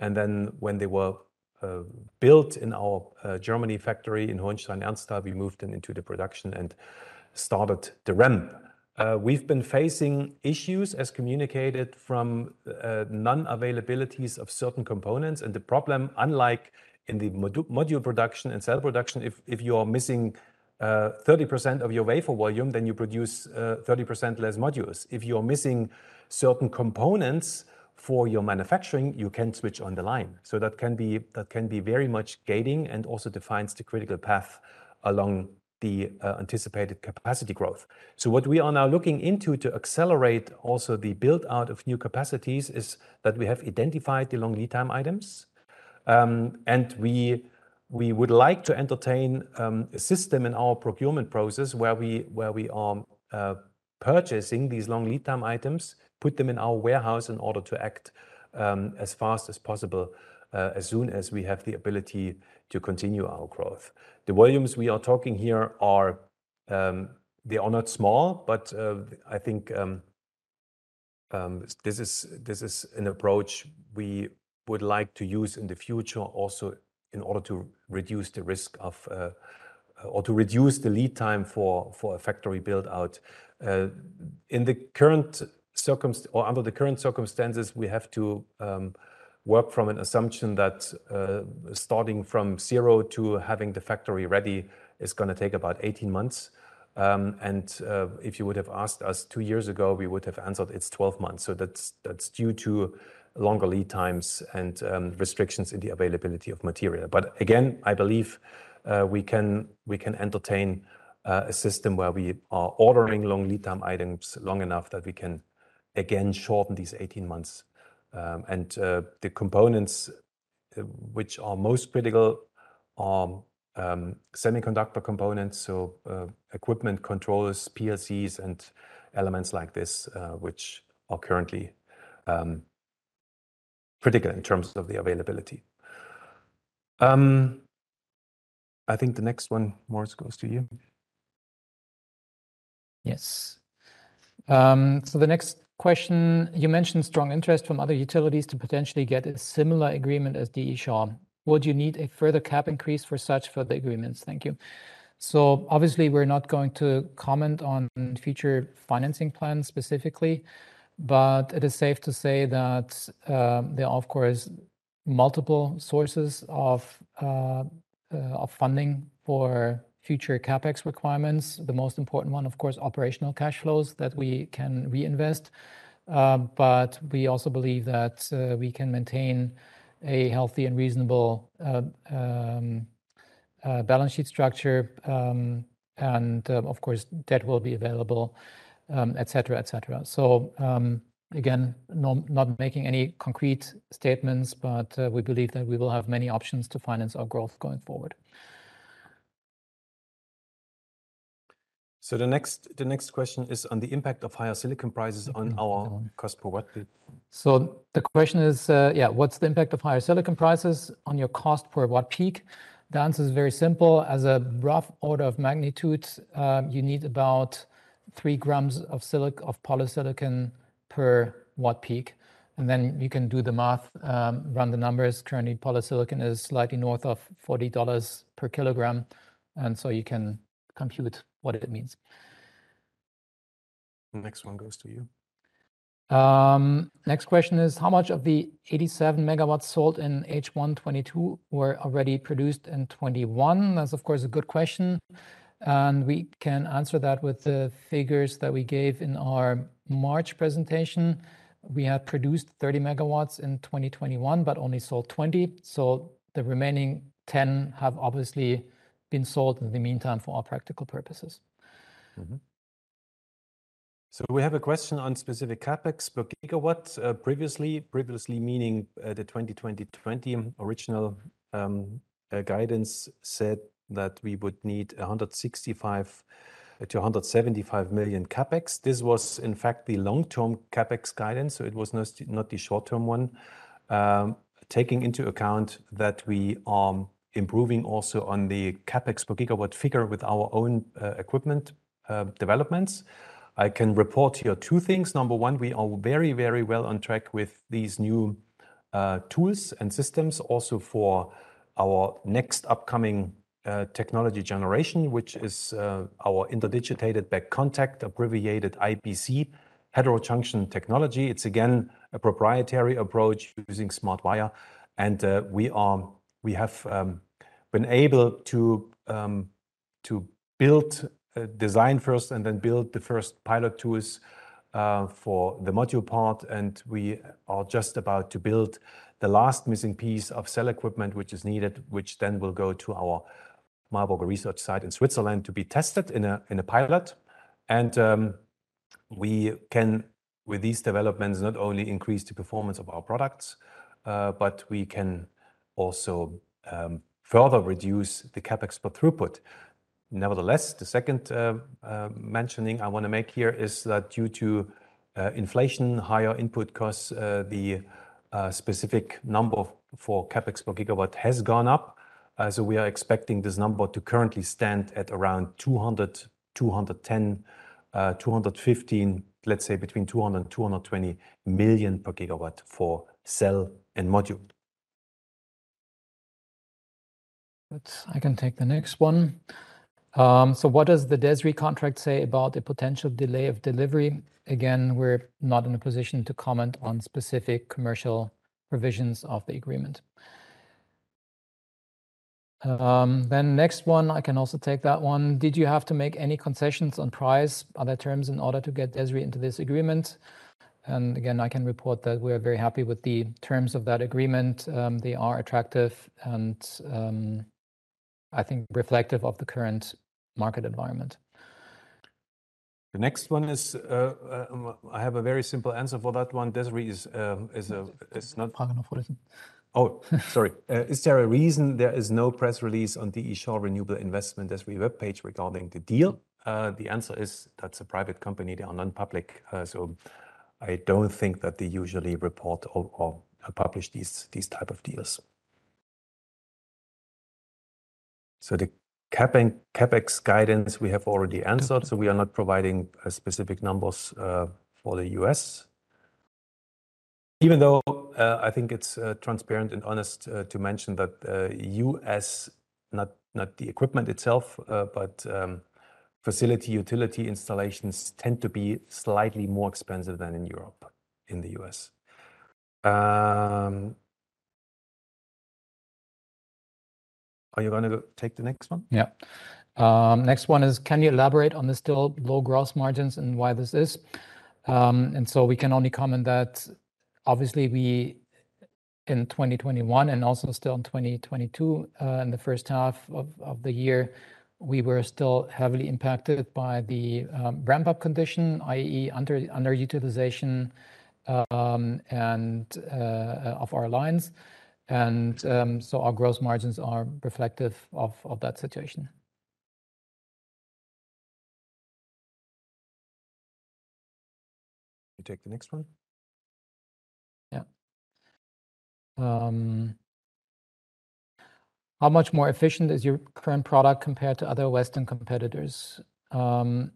and when they were built in our German factory in Hohenstein-Ernstthal, we moved them into the production and started the ramp. We've been facing issues as communicated from non-availabilities of certain components. The problem, unlike in the module production and cell production, if you're missing 30% of your wafer volume, then you produce 30% less modules. If you're missing certain components for your manufacturing, you can switch on the line. That can be very much gating and also defines the critical path along the anticipated capacity growth. What we are now looking into to accelerate also the build-out of new capacities is that we have identified the long lead time items. We would like to entertain a system in our procurement process where we are purchasing these long lead time items, put them in our warehouse in order to act as fast as possible as soon as we have the ability to continue our growth. The volumes we are talking here are, they are not small, but, I think, this is an approach we would like to use in the future also in order to reduce the risk of, or to reduce the lead time for a factory build-out. Under the current circumstances, we have to work from an assumption that, starting from zero to having the factory ready is gonna take about 18 months. If you would have asked us two years ago, we would have answered it's 12 months. That's due to longer lead times and, restrictions in the availability of material. Again, I believe we can entertain a system where we are ordering long lead time items long enough that we can again shorten these 18 months. The components which are most critical are semiconductor components, so equipment controllers, PLCs, and elements like this, which are currently critical in terms of the availability. I think the next one, Moritz, goes to you. Yes. So the next question, you mentioned strong interest from other utilities to potentially get a similar agreement as D. E. Shaw. Would you need a further CapEx increase for such further agreements? Thank you. Obviously, we're not going to comment on future financing plans specifically, but it is safe to say that there are, of course, multiple sources of funding for future CapEx requirements. The most important one, of course, operational cash flows that we can reinvest. But we also believe that we can maintain a healthy and reasonable balance sheet structure. And of course, debt will be available, et cetera, et cetera. Again, not making any concrete statements, but we believe that we will have many options to finance our growth going forward. The next question is on the impact of higher silicon prices on our cost per watt. The question is, what's the impact of higher silicon prices on your cost per watt peak? The answer is very simple. As a rough order of magnitude, you need about 3 g of polysilicon per watt peak, and then you can do the math, run the numbers. Currently, polysilicon is slightly north of 40 per kilogram, and so you can compute what it means. The next one goes to you. Next question is, how much of the 87 MW sold in H1 2022 were already produced in 2021? That's, of course, a good question, and we can answer that with the figures that we gave in our March presentation. We had produced 30 MW in 2021 but only sold 20. The remaining 10 have obviously been sold in the meantime for all practical purposes. We have a question on specific CapEx per gigawatt. Previously meaning the 2020 original guidance said that we would need 165 million-175 million CapEx. This was in fact the long-term CapEx guidance, so it was not the short-term one. Taking into account that we are improving also on the CapEx per gigawatt figure with our own equipment developments, I can report here two things. Number one, we are very, very well on track with these new tools and systems also for our next upcoming technology generation, which is our interdigitated back contact, abbreviated IBC, heterojunction technology. It's again a proprietary approach using SmartWire, and we have been able to design first and then build the first pilot tools for the module part. We are just about to build the last missing piece of cell equipment which is needed, which then will go to our Hauterive research site in Switzerland to be tested in a pilot. We can, with these developments, not only increase the performance of our products, but we can also further reduce the CapEx per throughput. Nevertheless, the second mention I wanna make here is that due to inflation, higher input costs, the specific number for CapEx per gigawatt has gone up. We are expecting this number to currently stand at around 200, 210, 215, let's say between 200 million and 220 million per gigawatt for cell and module. I can take the next one. So what does the DESRI contract say about the potential delay of delivery? Again, we're not in a position to comment on specific commercial provisions of the agreement. Then next one, I can also take that one. Did you have to make any concessions on price, other terms in order to get DESRI into this agreement? Again, I can report that we are very happy with the terms of that agreement. They are attractive and, I think reflective of the current market environment. The next one is, I have a very simple answer for that one. Is there a reason there is no press release on D.E. Shaw Renewable Investments DESRI webpage regarding the deal? The answer is that's a private company. They are non-public. I don't think that they usually report or publish these type of deals. The CapEx guidance, we have already answered. We are not providing specific numbers for the U.S. even though I think it's transparent and honest to mention that U.S. not the equipment itself but facility utility installations tend to be slightly more expensive than in Europe, in the U.S. Are you gonna take the next one? Yeah. Next one is, can you elaborate on the still low gross margins and why this is? We can only comment that obviously we in 2021 and also still in 2022, in the first half of the year, we were still heavily impacted by the ramp-up condition, i.e. underutilization, and of our lines and so our gross margins are reflective of that situation. You take the next one? Yeah. How much more efficient is your current product compared to other Western competitors? Do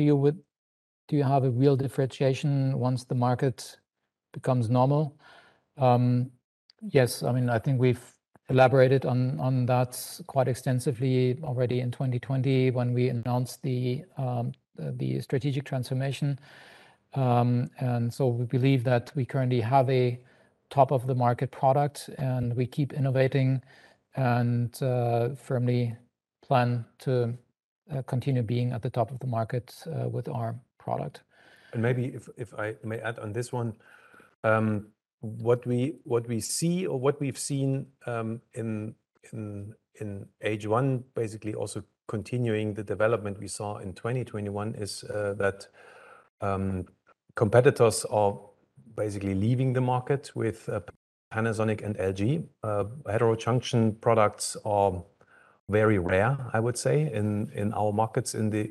you have a real differentiation once the market becomes normal? Yes. I mean, I think we've elaborated on that quite extensively already in 2020 when we announced the strategic transformation. We believe that we currently have a top of the market product, and we keep innovating and firmly plan to continue being at the top of the market with our product. Maybe if I may add on this one, what we see or what we've seen in H1, basically also continuing the development we saw in 2021 is that competitors are basically leaving the market with Panasonic and LG. Heterojunction products are very rare, I would say in our markets, in the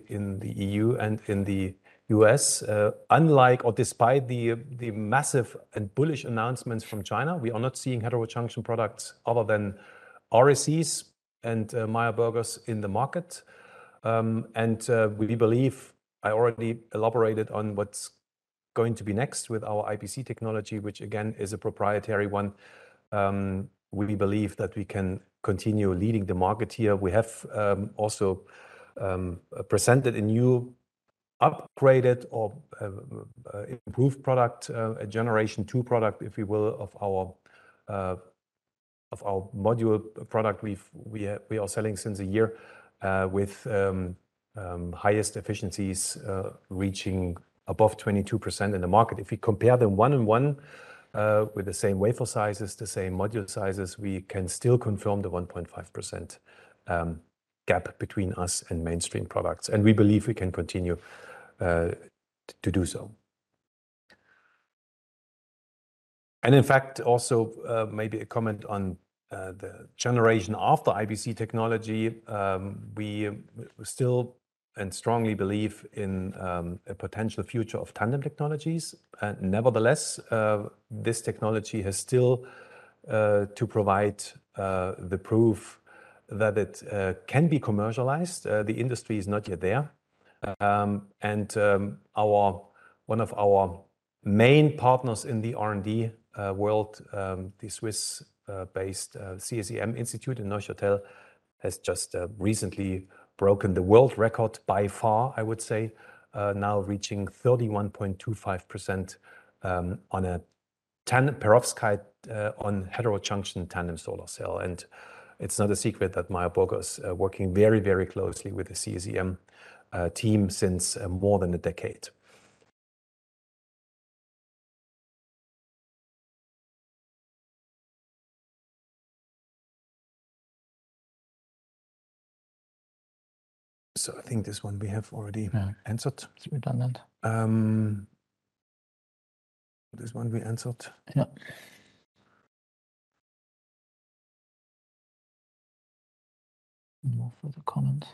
EU and in the U.S. Unlike or despite the massive and bullish announcements from China, we are not seeing heterojunction products other than REC and Meyer Burger in the market. We believe I already elaborated on what's going to be next with our IBC technology, which again, is a proprietary one. We believe that we can continue leading the market here. We have also presented a new upgraded or improved product, a generation two product, if you will, of our module product. We are selling since a year with highest efficiencies reaching above 22% in the market. If we compare them one-on-one with the same wafer sizes, the same module sizes, we can still confirm the 1.5% gap between us and mainstream products, and we believe we can continue to do so. In fact, also maybe a comment on the generation of the IBC technology. We still and strongly believe in a potential future of tandem technologies. Nevertheless, this technology has still to provide the proof that it can be commercialized. The industry is not yet there. One of our main partners in the R&D world, the Swiss based CSEM Institute in Neuchâtel, has just recently broken the world record by far, I would say, now reaching 31.25% on a tandem perovskite on heterojunction tandem solar cell. It's not a secret that Meyer Burger is working very, very closely with the CSEM team since more than a decade. I think this one we have already answered. It's redundant. This one we answered. Yeah. No further comments.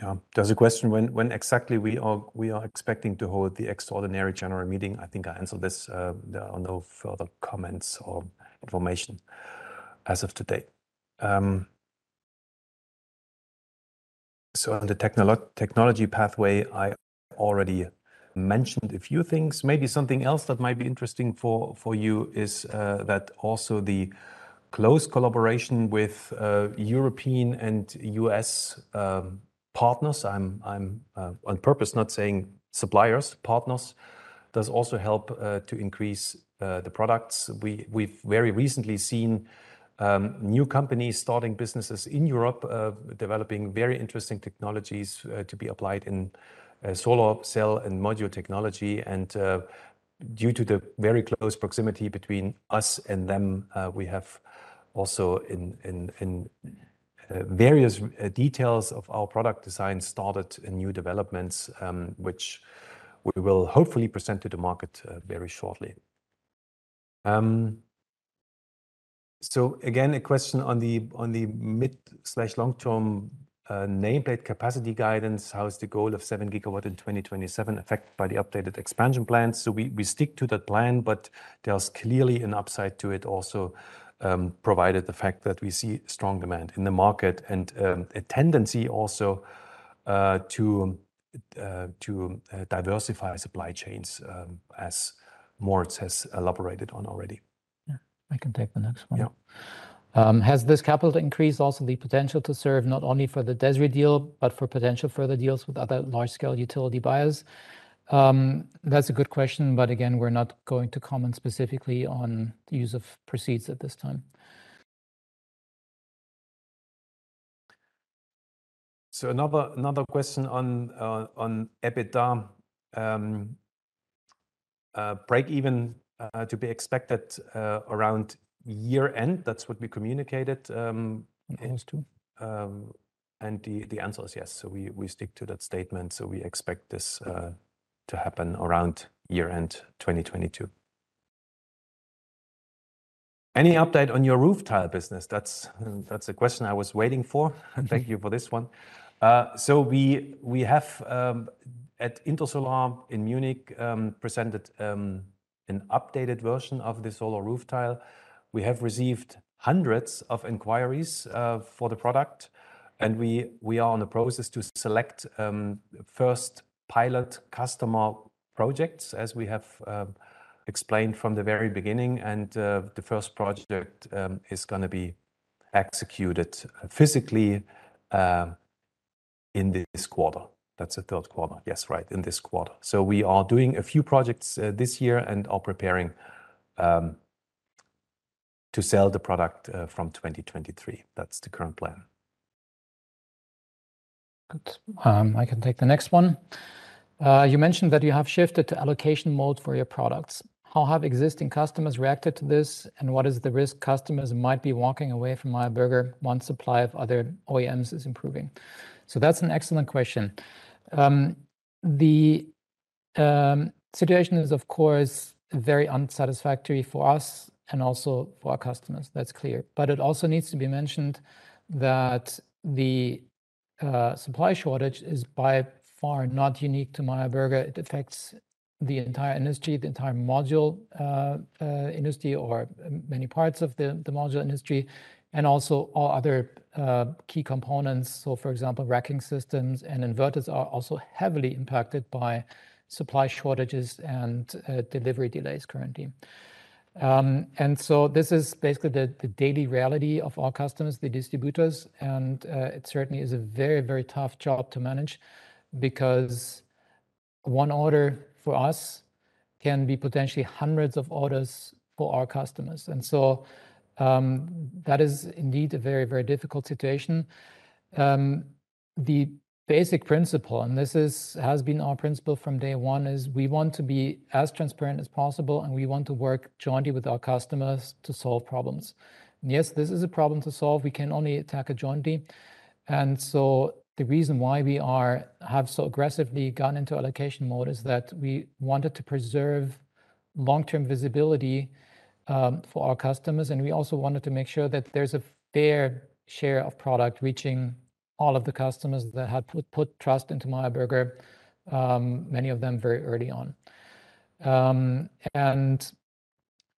Yeah. There's a question when exactly we are expecting to hold the extraordinary general meeting. I think I answered this. There are no further comments or information as of today. On the technology pathway, I already mentioned a few things. Maybe something else that might be interesting for you is that also the close collaboration with European and US partners. I'm on purpose not saying suppliers. Partners. Does also help to increase the products. We've very recently seen new companies starting businesses in Europe developing very interesting technologies to be applied in solar cell and module technology. Due to the very close proximity between us and them, we have also in various details of our product design started new developments, which we will hopefully present to the market very shortly. Again, a question on the mid/long-term nameplate capacity guidance. How is the goal of 7 GW in 2027 affected by the updated expansion plans? We stick to that plan, but there's clearly an upside to it also, provided the fact that we see strong demand in the market. A tendency also to diversify supply chains, as Moritz has elaborated on already. Yeah. I can take the next one. Yeah. Has this capital increase also the potential to serve not only for the DESRI deal, but for potential further deals with other large scale utility buyers? That's a good question, but again, we're not going to comment specifically on the use of proceeds at this time. Another question on EBITDA. Break-even to be expected around year-end. That's what we communicated. Yes, too. The answer is yes. We stick to that statement. We expect this to happen around year-end 2022. Any update on your roof tile business? That's a question I was waiting for. Thank you for this one. We have at Intersolar in Munich presented an updated version of the solar roof tile. We have received hundreds of inquiries for the product, and we are in the process to select first pilot customer projects as we have explained from the very beginning. The first project is gonna be executed physically in this quarter. That's the third quarter. Yes, right. In this quarter. We are doing a few projects this year, and are preparing to sell the product from 2023. That's the current plan. Good. I can take the next one. You mentioned that you have shifted to allocation mode for your products. How have existing customers reacted to this, and what is the risk customers might be walking away from Meyer Burger once supply of other OEMs is improving? That's an excellent question. The situation is of course very unsatisfactory for us and also for our customers. That's clear. It also needs to be mentioned that the supply shortage is by far not unique to Meyer Burger. It affects the entire industry, the entire module industry, or many parts of the module industry, and also all other key components. For example, racking systems and inverters are also heavily impacted by supply shortages and delivery delays currently. This is basically the daily reality of our customers, the distributors, and it certainly is a very, very tough job to manage because one order for us can be potentially hundreds of orders for our customers. That is indeed a very, very difficult situation. The basic principle, and this is has been our principle from day one, is we want to be as transparent as possible, and we want to work jointly with our customers to solve problems. Yes, this is a problem to solve. We can only attack it jointly. The reason why we have so aggressively gone into allocation mode is that we wanted to preserve long-term visibility for our customers. We also wanted to make sure that there's a fair share of product reaching all of the customers that had put trust into Meyer Burger, many of them very early on.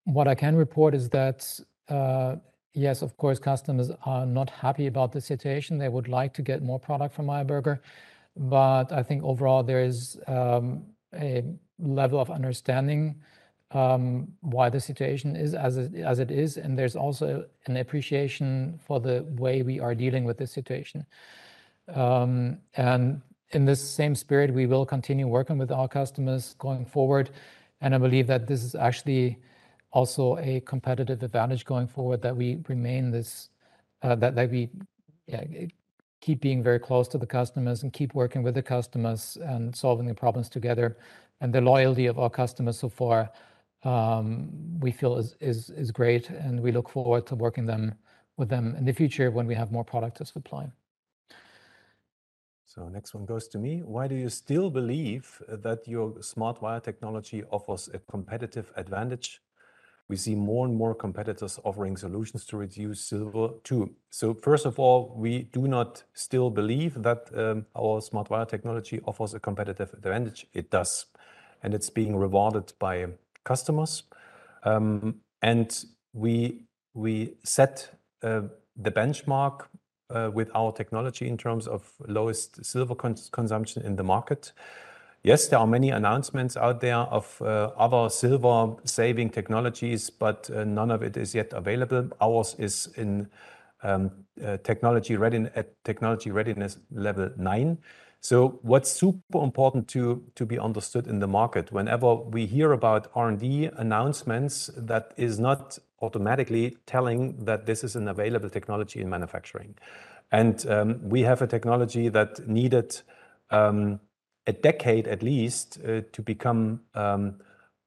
What I can report is that, yes, of course, customers are not happy about the situation. They would like to get more product from Meyer Burger. I think overall there is a level of understanding why the situation is as it is, and there's also an appreciation for the way we are dealing with this situation. In this same spirit, we will continue working with our customers going forward, and I believe that this is actually also a competitive advantage going forward that we remain this. That we keep being very close to the customers and keep working with the customers and solving the problems together. The loyalty of our customers so far, we feel is great and we look forward to working with them in the future when we have more product to supply. Next one goes to me. Why do you still believe that your SmartWire technology offers a competitive advantage? We see more and more competitors offering solutions to reduce silver too. First of all, we do not still believe that, our SmartWire technology offers a competitive advantage. It does, and it's being rewarded by customers. We set the benchmark with our technology in terms of lowest silver consumption in the market. Yes, there are many announcements out there of other silver-saving technologies, but none of it is yet available. Ours is at Technology Readiness Level 9. What's super important to be understood in the market, whenever we hear about R&D announcements, that is not automatically telling that this is an available technology in manufacturing. We have a technology that needed a decade at least to become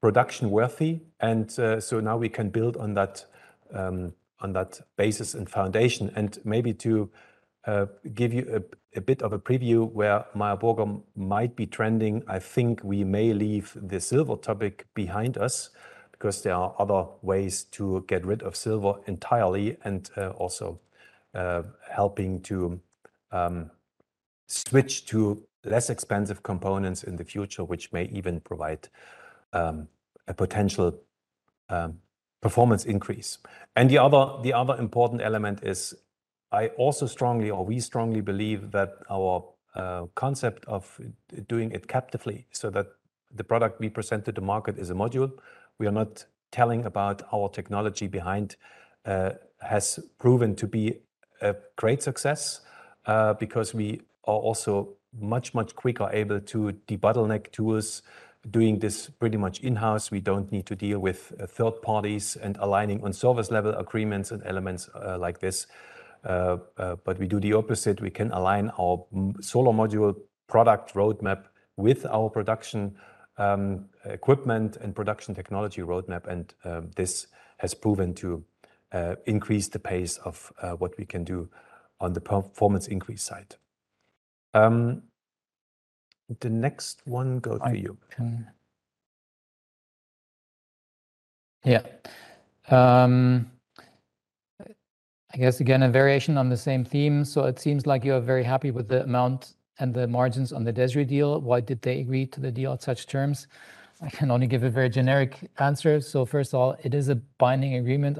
production worthy. Now we can build on that, on that basis and foundation. Maybe to give you a bit of a preview where Meyer Burger might be trending, I think we may leave the silver topic behind us because there are other ways to get rid of silver entirely and also helping to switch to less expensive components in the future, which may even provide a potential performance increase. The other important element is I also strongly, or we strongly believe that our concept of doing it captively so that the product we present to the market is a module. Our technology behind has proven to be a great success because we are also much, much quicker able to debottleneck tools doing this pretty much in-house. We don't need to deal with third parties and aligning on service level agreements and elements like this. We do the opposite. We can align our solar module product roadmap with our production equipment and production technology roadmap. This has proven to increase the pace of what we can do on the performance increase side. The next one goes to you. Yeah. I guess again, a variation on the same theme. It seems like you are very happy with the amount and the margins on the DESRI deal. Why did they agree to the deal at such terms? I can only give a very generic answer. First of all, it is a binding agreement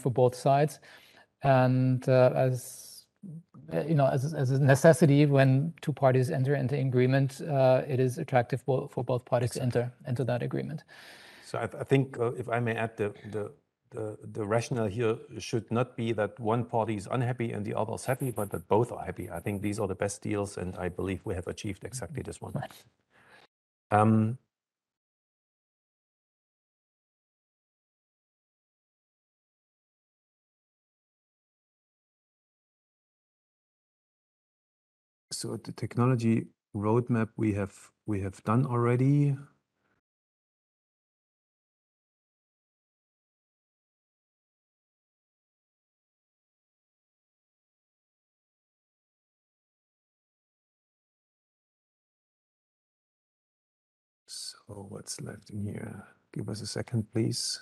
for both sides. As you know, as a necessity when two parties enter into agreement, it is attractive for both parties to enter that agreement. I think if I may add the rationale here should not be that one party is unhappy and the other is happy, but that both are happy. I think these are the best deals, and I believe we have achieved exactly this one. The technology roadmap we have done already. What's left in here? Give us a second, please.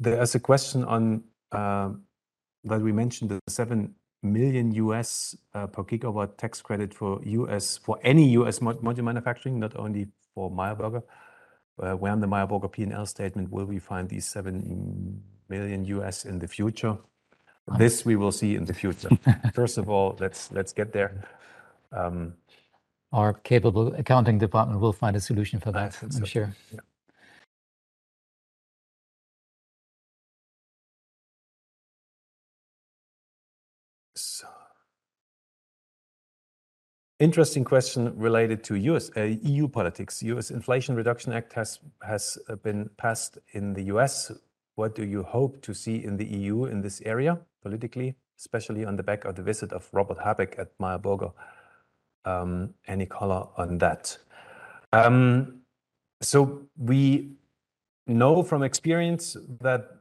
There's a question on that we mentioned the $7 million per gigawatt tax credit for US for any US module manufacturing, not only for Meyer Burger. Where on the Meyer Burger P&L statement will we find these $7 million in the future? This we will see in the future. First of all, let's get there. Our capable accounting department will find a solution for that. I'm sure. That's it. Yeah. Interesting question related to U.S., EU politics. US Inflation Reduction Act has been passed in the U.S. What do you hope to see in the EU in this area politically, especially on the back of the visit of Robert Habeck at Meyer Burger? Any color on that? We know from experience that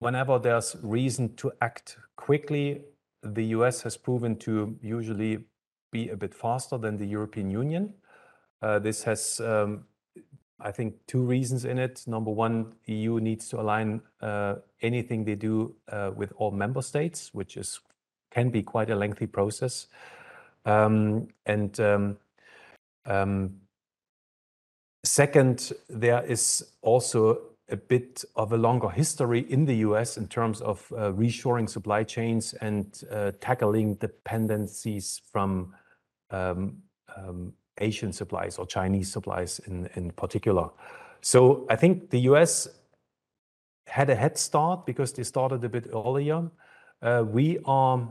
whenever there's reason to act quickly, the U.S. has proven to usually be a bit faster than the European Union. This has, I think, two reasons in it. Number one, EU needs to align anything they do with all member states, which can be quite a lengthy process. Second, there is also a bit of a longer history in the U.S. in terms of reshoring supply chains and tackling dependencies from Asian suppliers or Chinese suppliers in particular. I think the U.S. had a head start because they started a bit earlier. We are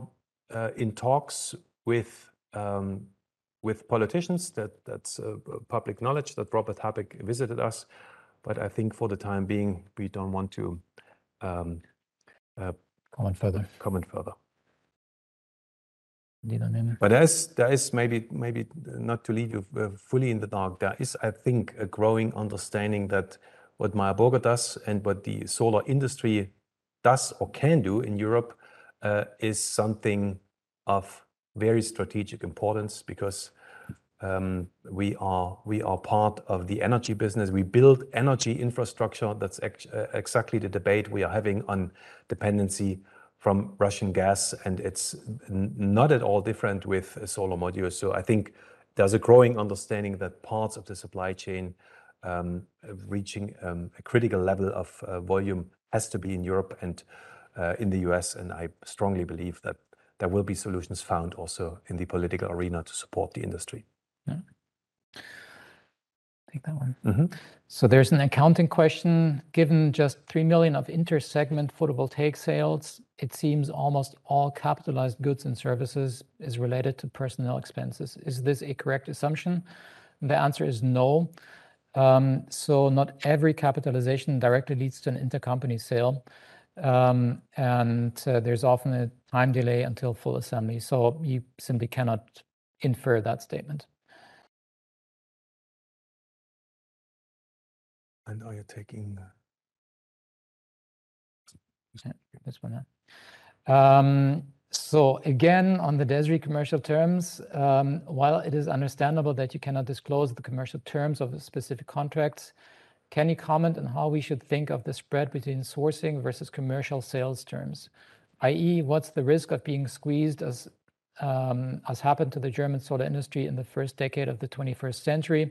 in talks with politicians. That's public knowledge that Robert Habeck visited us. I think for the time being, we don't want to. Comment further. Comment further. Need I know- There is maybe not to leave you fully in the dark. There is, I think, a growing understanding that what Meyer Burger does, and what the solar industry does or can do in Europe is something of very strategic importance because we are part of the energy business. We build energy infrastructure. That's exactly the debate we are having on dependency from Russian gas, and it's not at all different with solar modules. I think there's a growing understanding that parts of the supply chain reaching a critical level of volume has to be in Europe and in the U.S. I strongly believe that there will be solutions found also in the political arena to support the industry. Yeah. Take that one. Mm-hmm. There's an accounting question. Given just 3 million of intersegment photovoltaic sales, it seems almost all capitalized goods and services is related to personnel expenses. Is this a correct assumption? The answer is no. Not every capitalization directly leads to an intercompany sale. There's often a time delay until full assembly, so you simply cannot infer that statement. I know you're taking. Can't read this one now. Again, on the DESRI commercial terms, while it is understandable that you cannot disclose the commercial terms of the specific contracts, can you comment on how we should think of the spread between sourcing versus commercial sales terms, i.e., what's the risk of being squeezed as has happened to the German solar industry in the first decade of the 21st century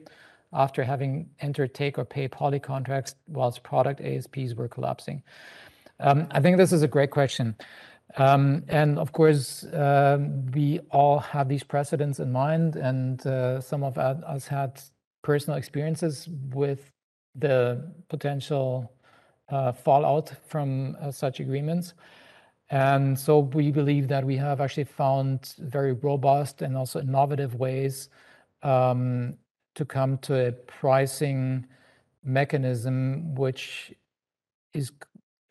after having entered take or pay poly contracts while product ASPs were collapsing? I think this is a great question. Of course, we all have these precedents in mind, and some of us had personal experiences with the potential fallout from such agreements. We believe that we have actually found very robust, and also innovative ways to come to a pricing mechanism which is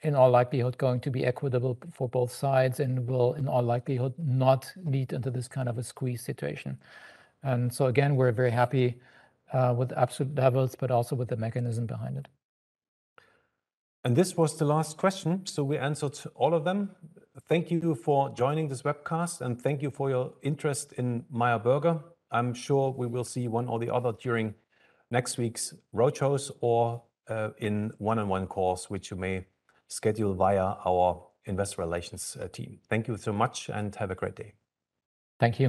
in all likelihood going to be equitable for both sides and will in all likelihood not lead into this kind of a squeeze situation. Again, we're very happy with absolute levels, but also with the mechanism behind it. This was the last question, so we answered all of them. Thank you for joining this webcast, and thank you for your interest in Meyer Burger. I'm sure we will see one or the other during next week's roadshows or, in one-on-one calls, which you may schedule via our investor relations team. Thank you so much and have a great day. Thank you.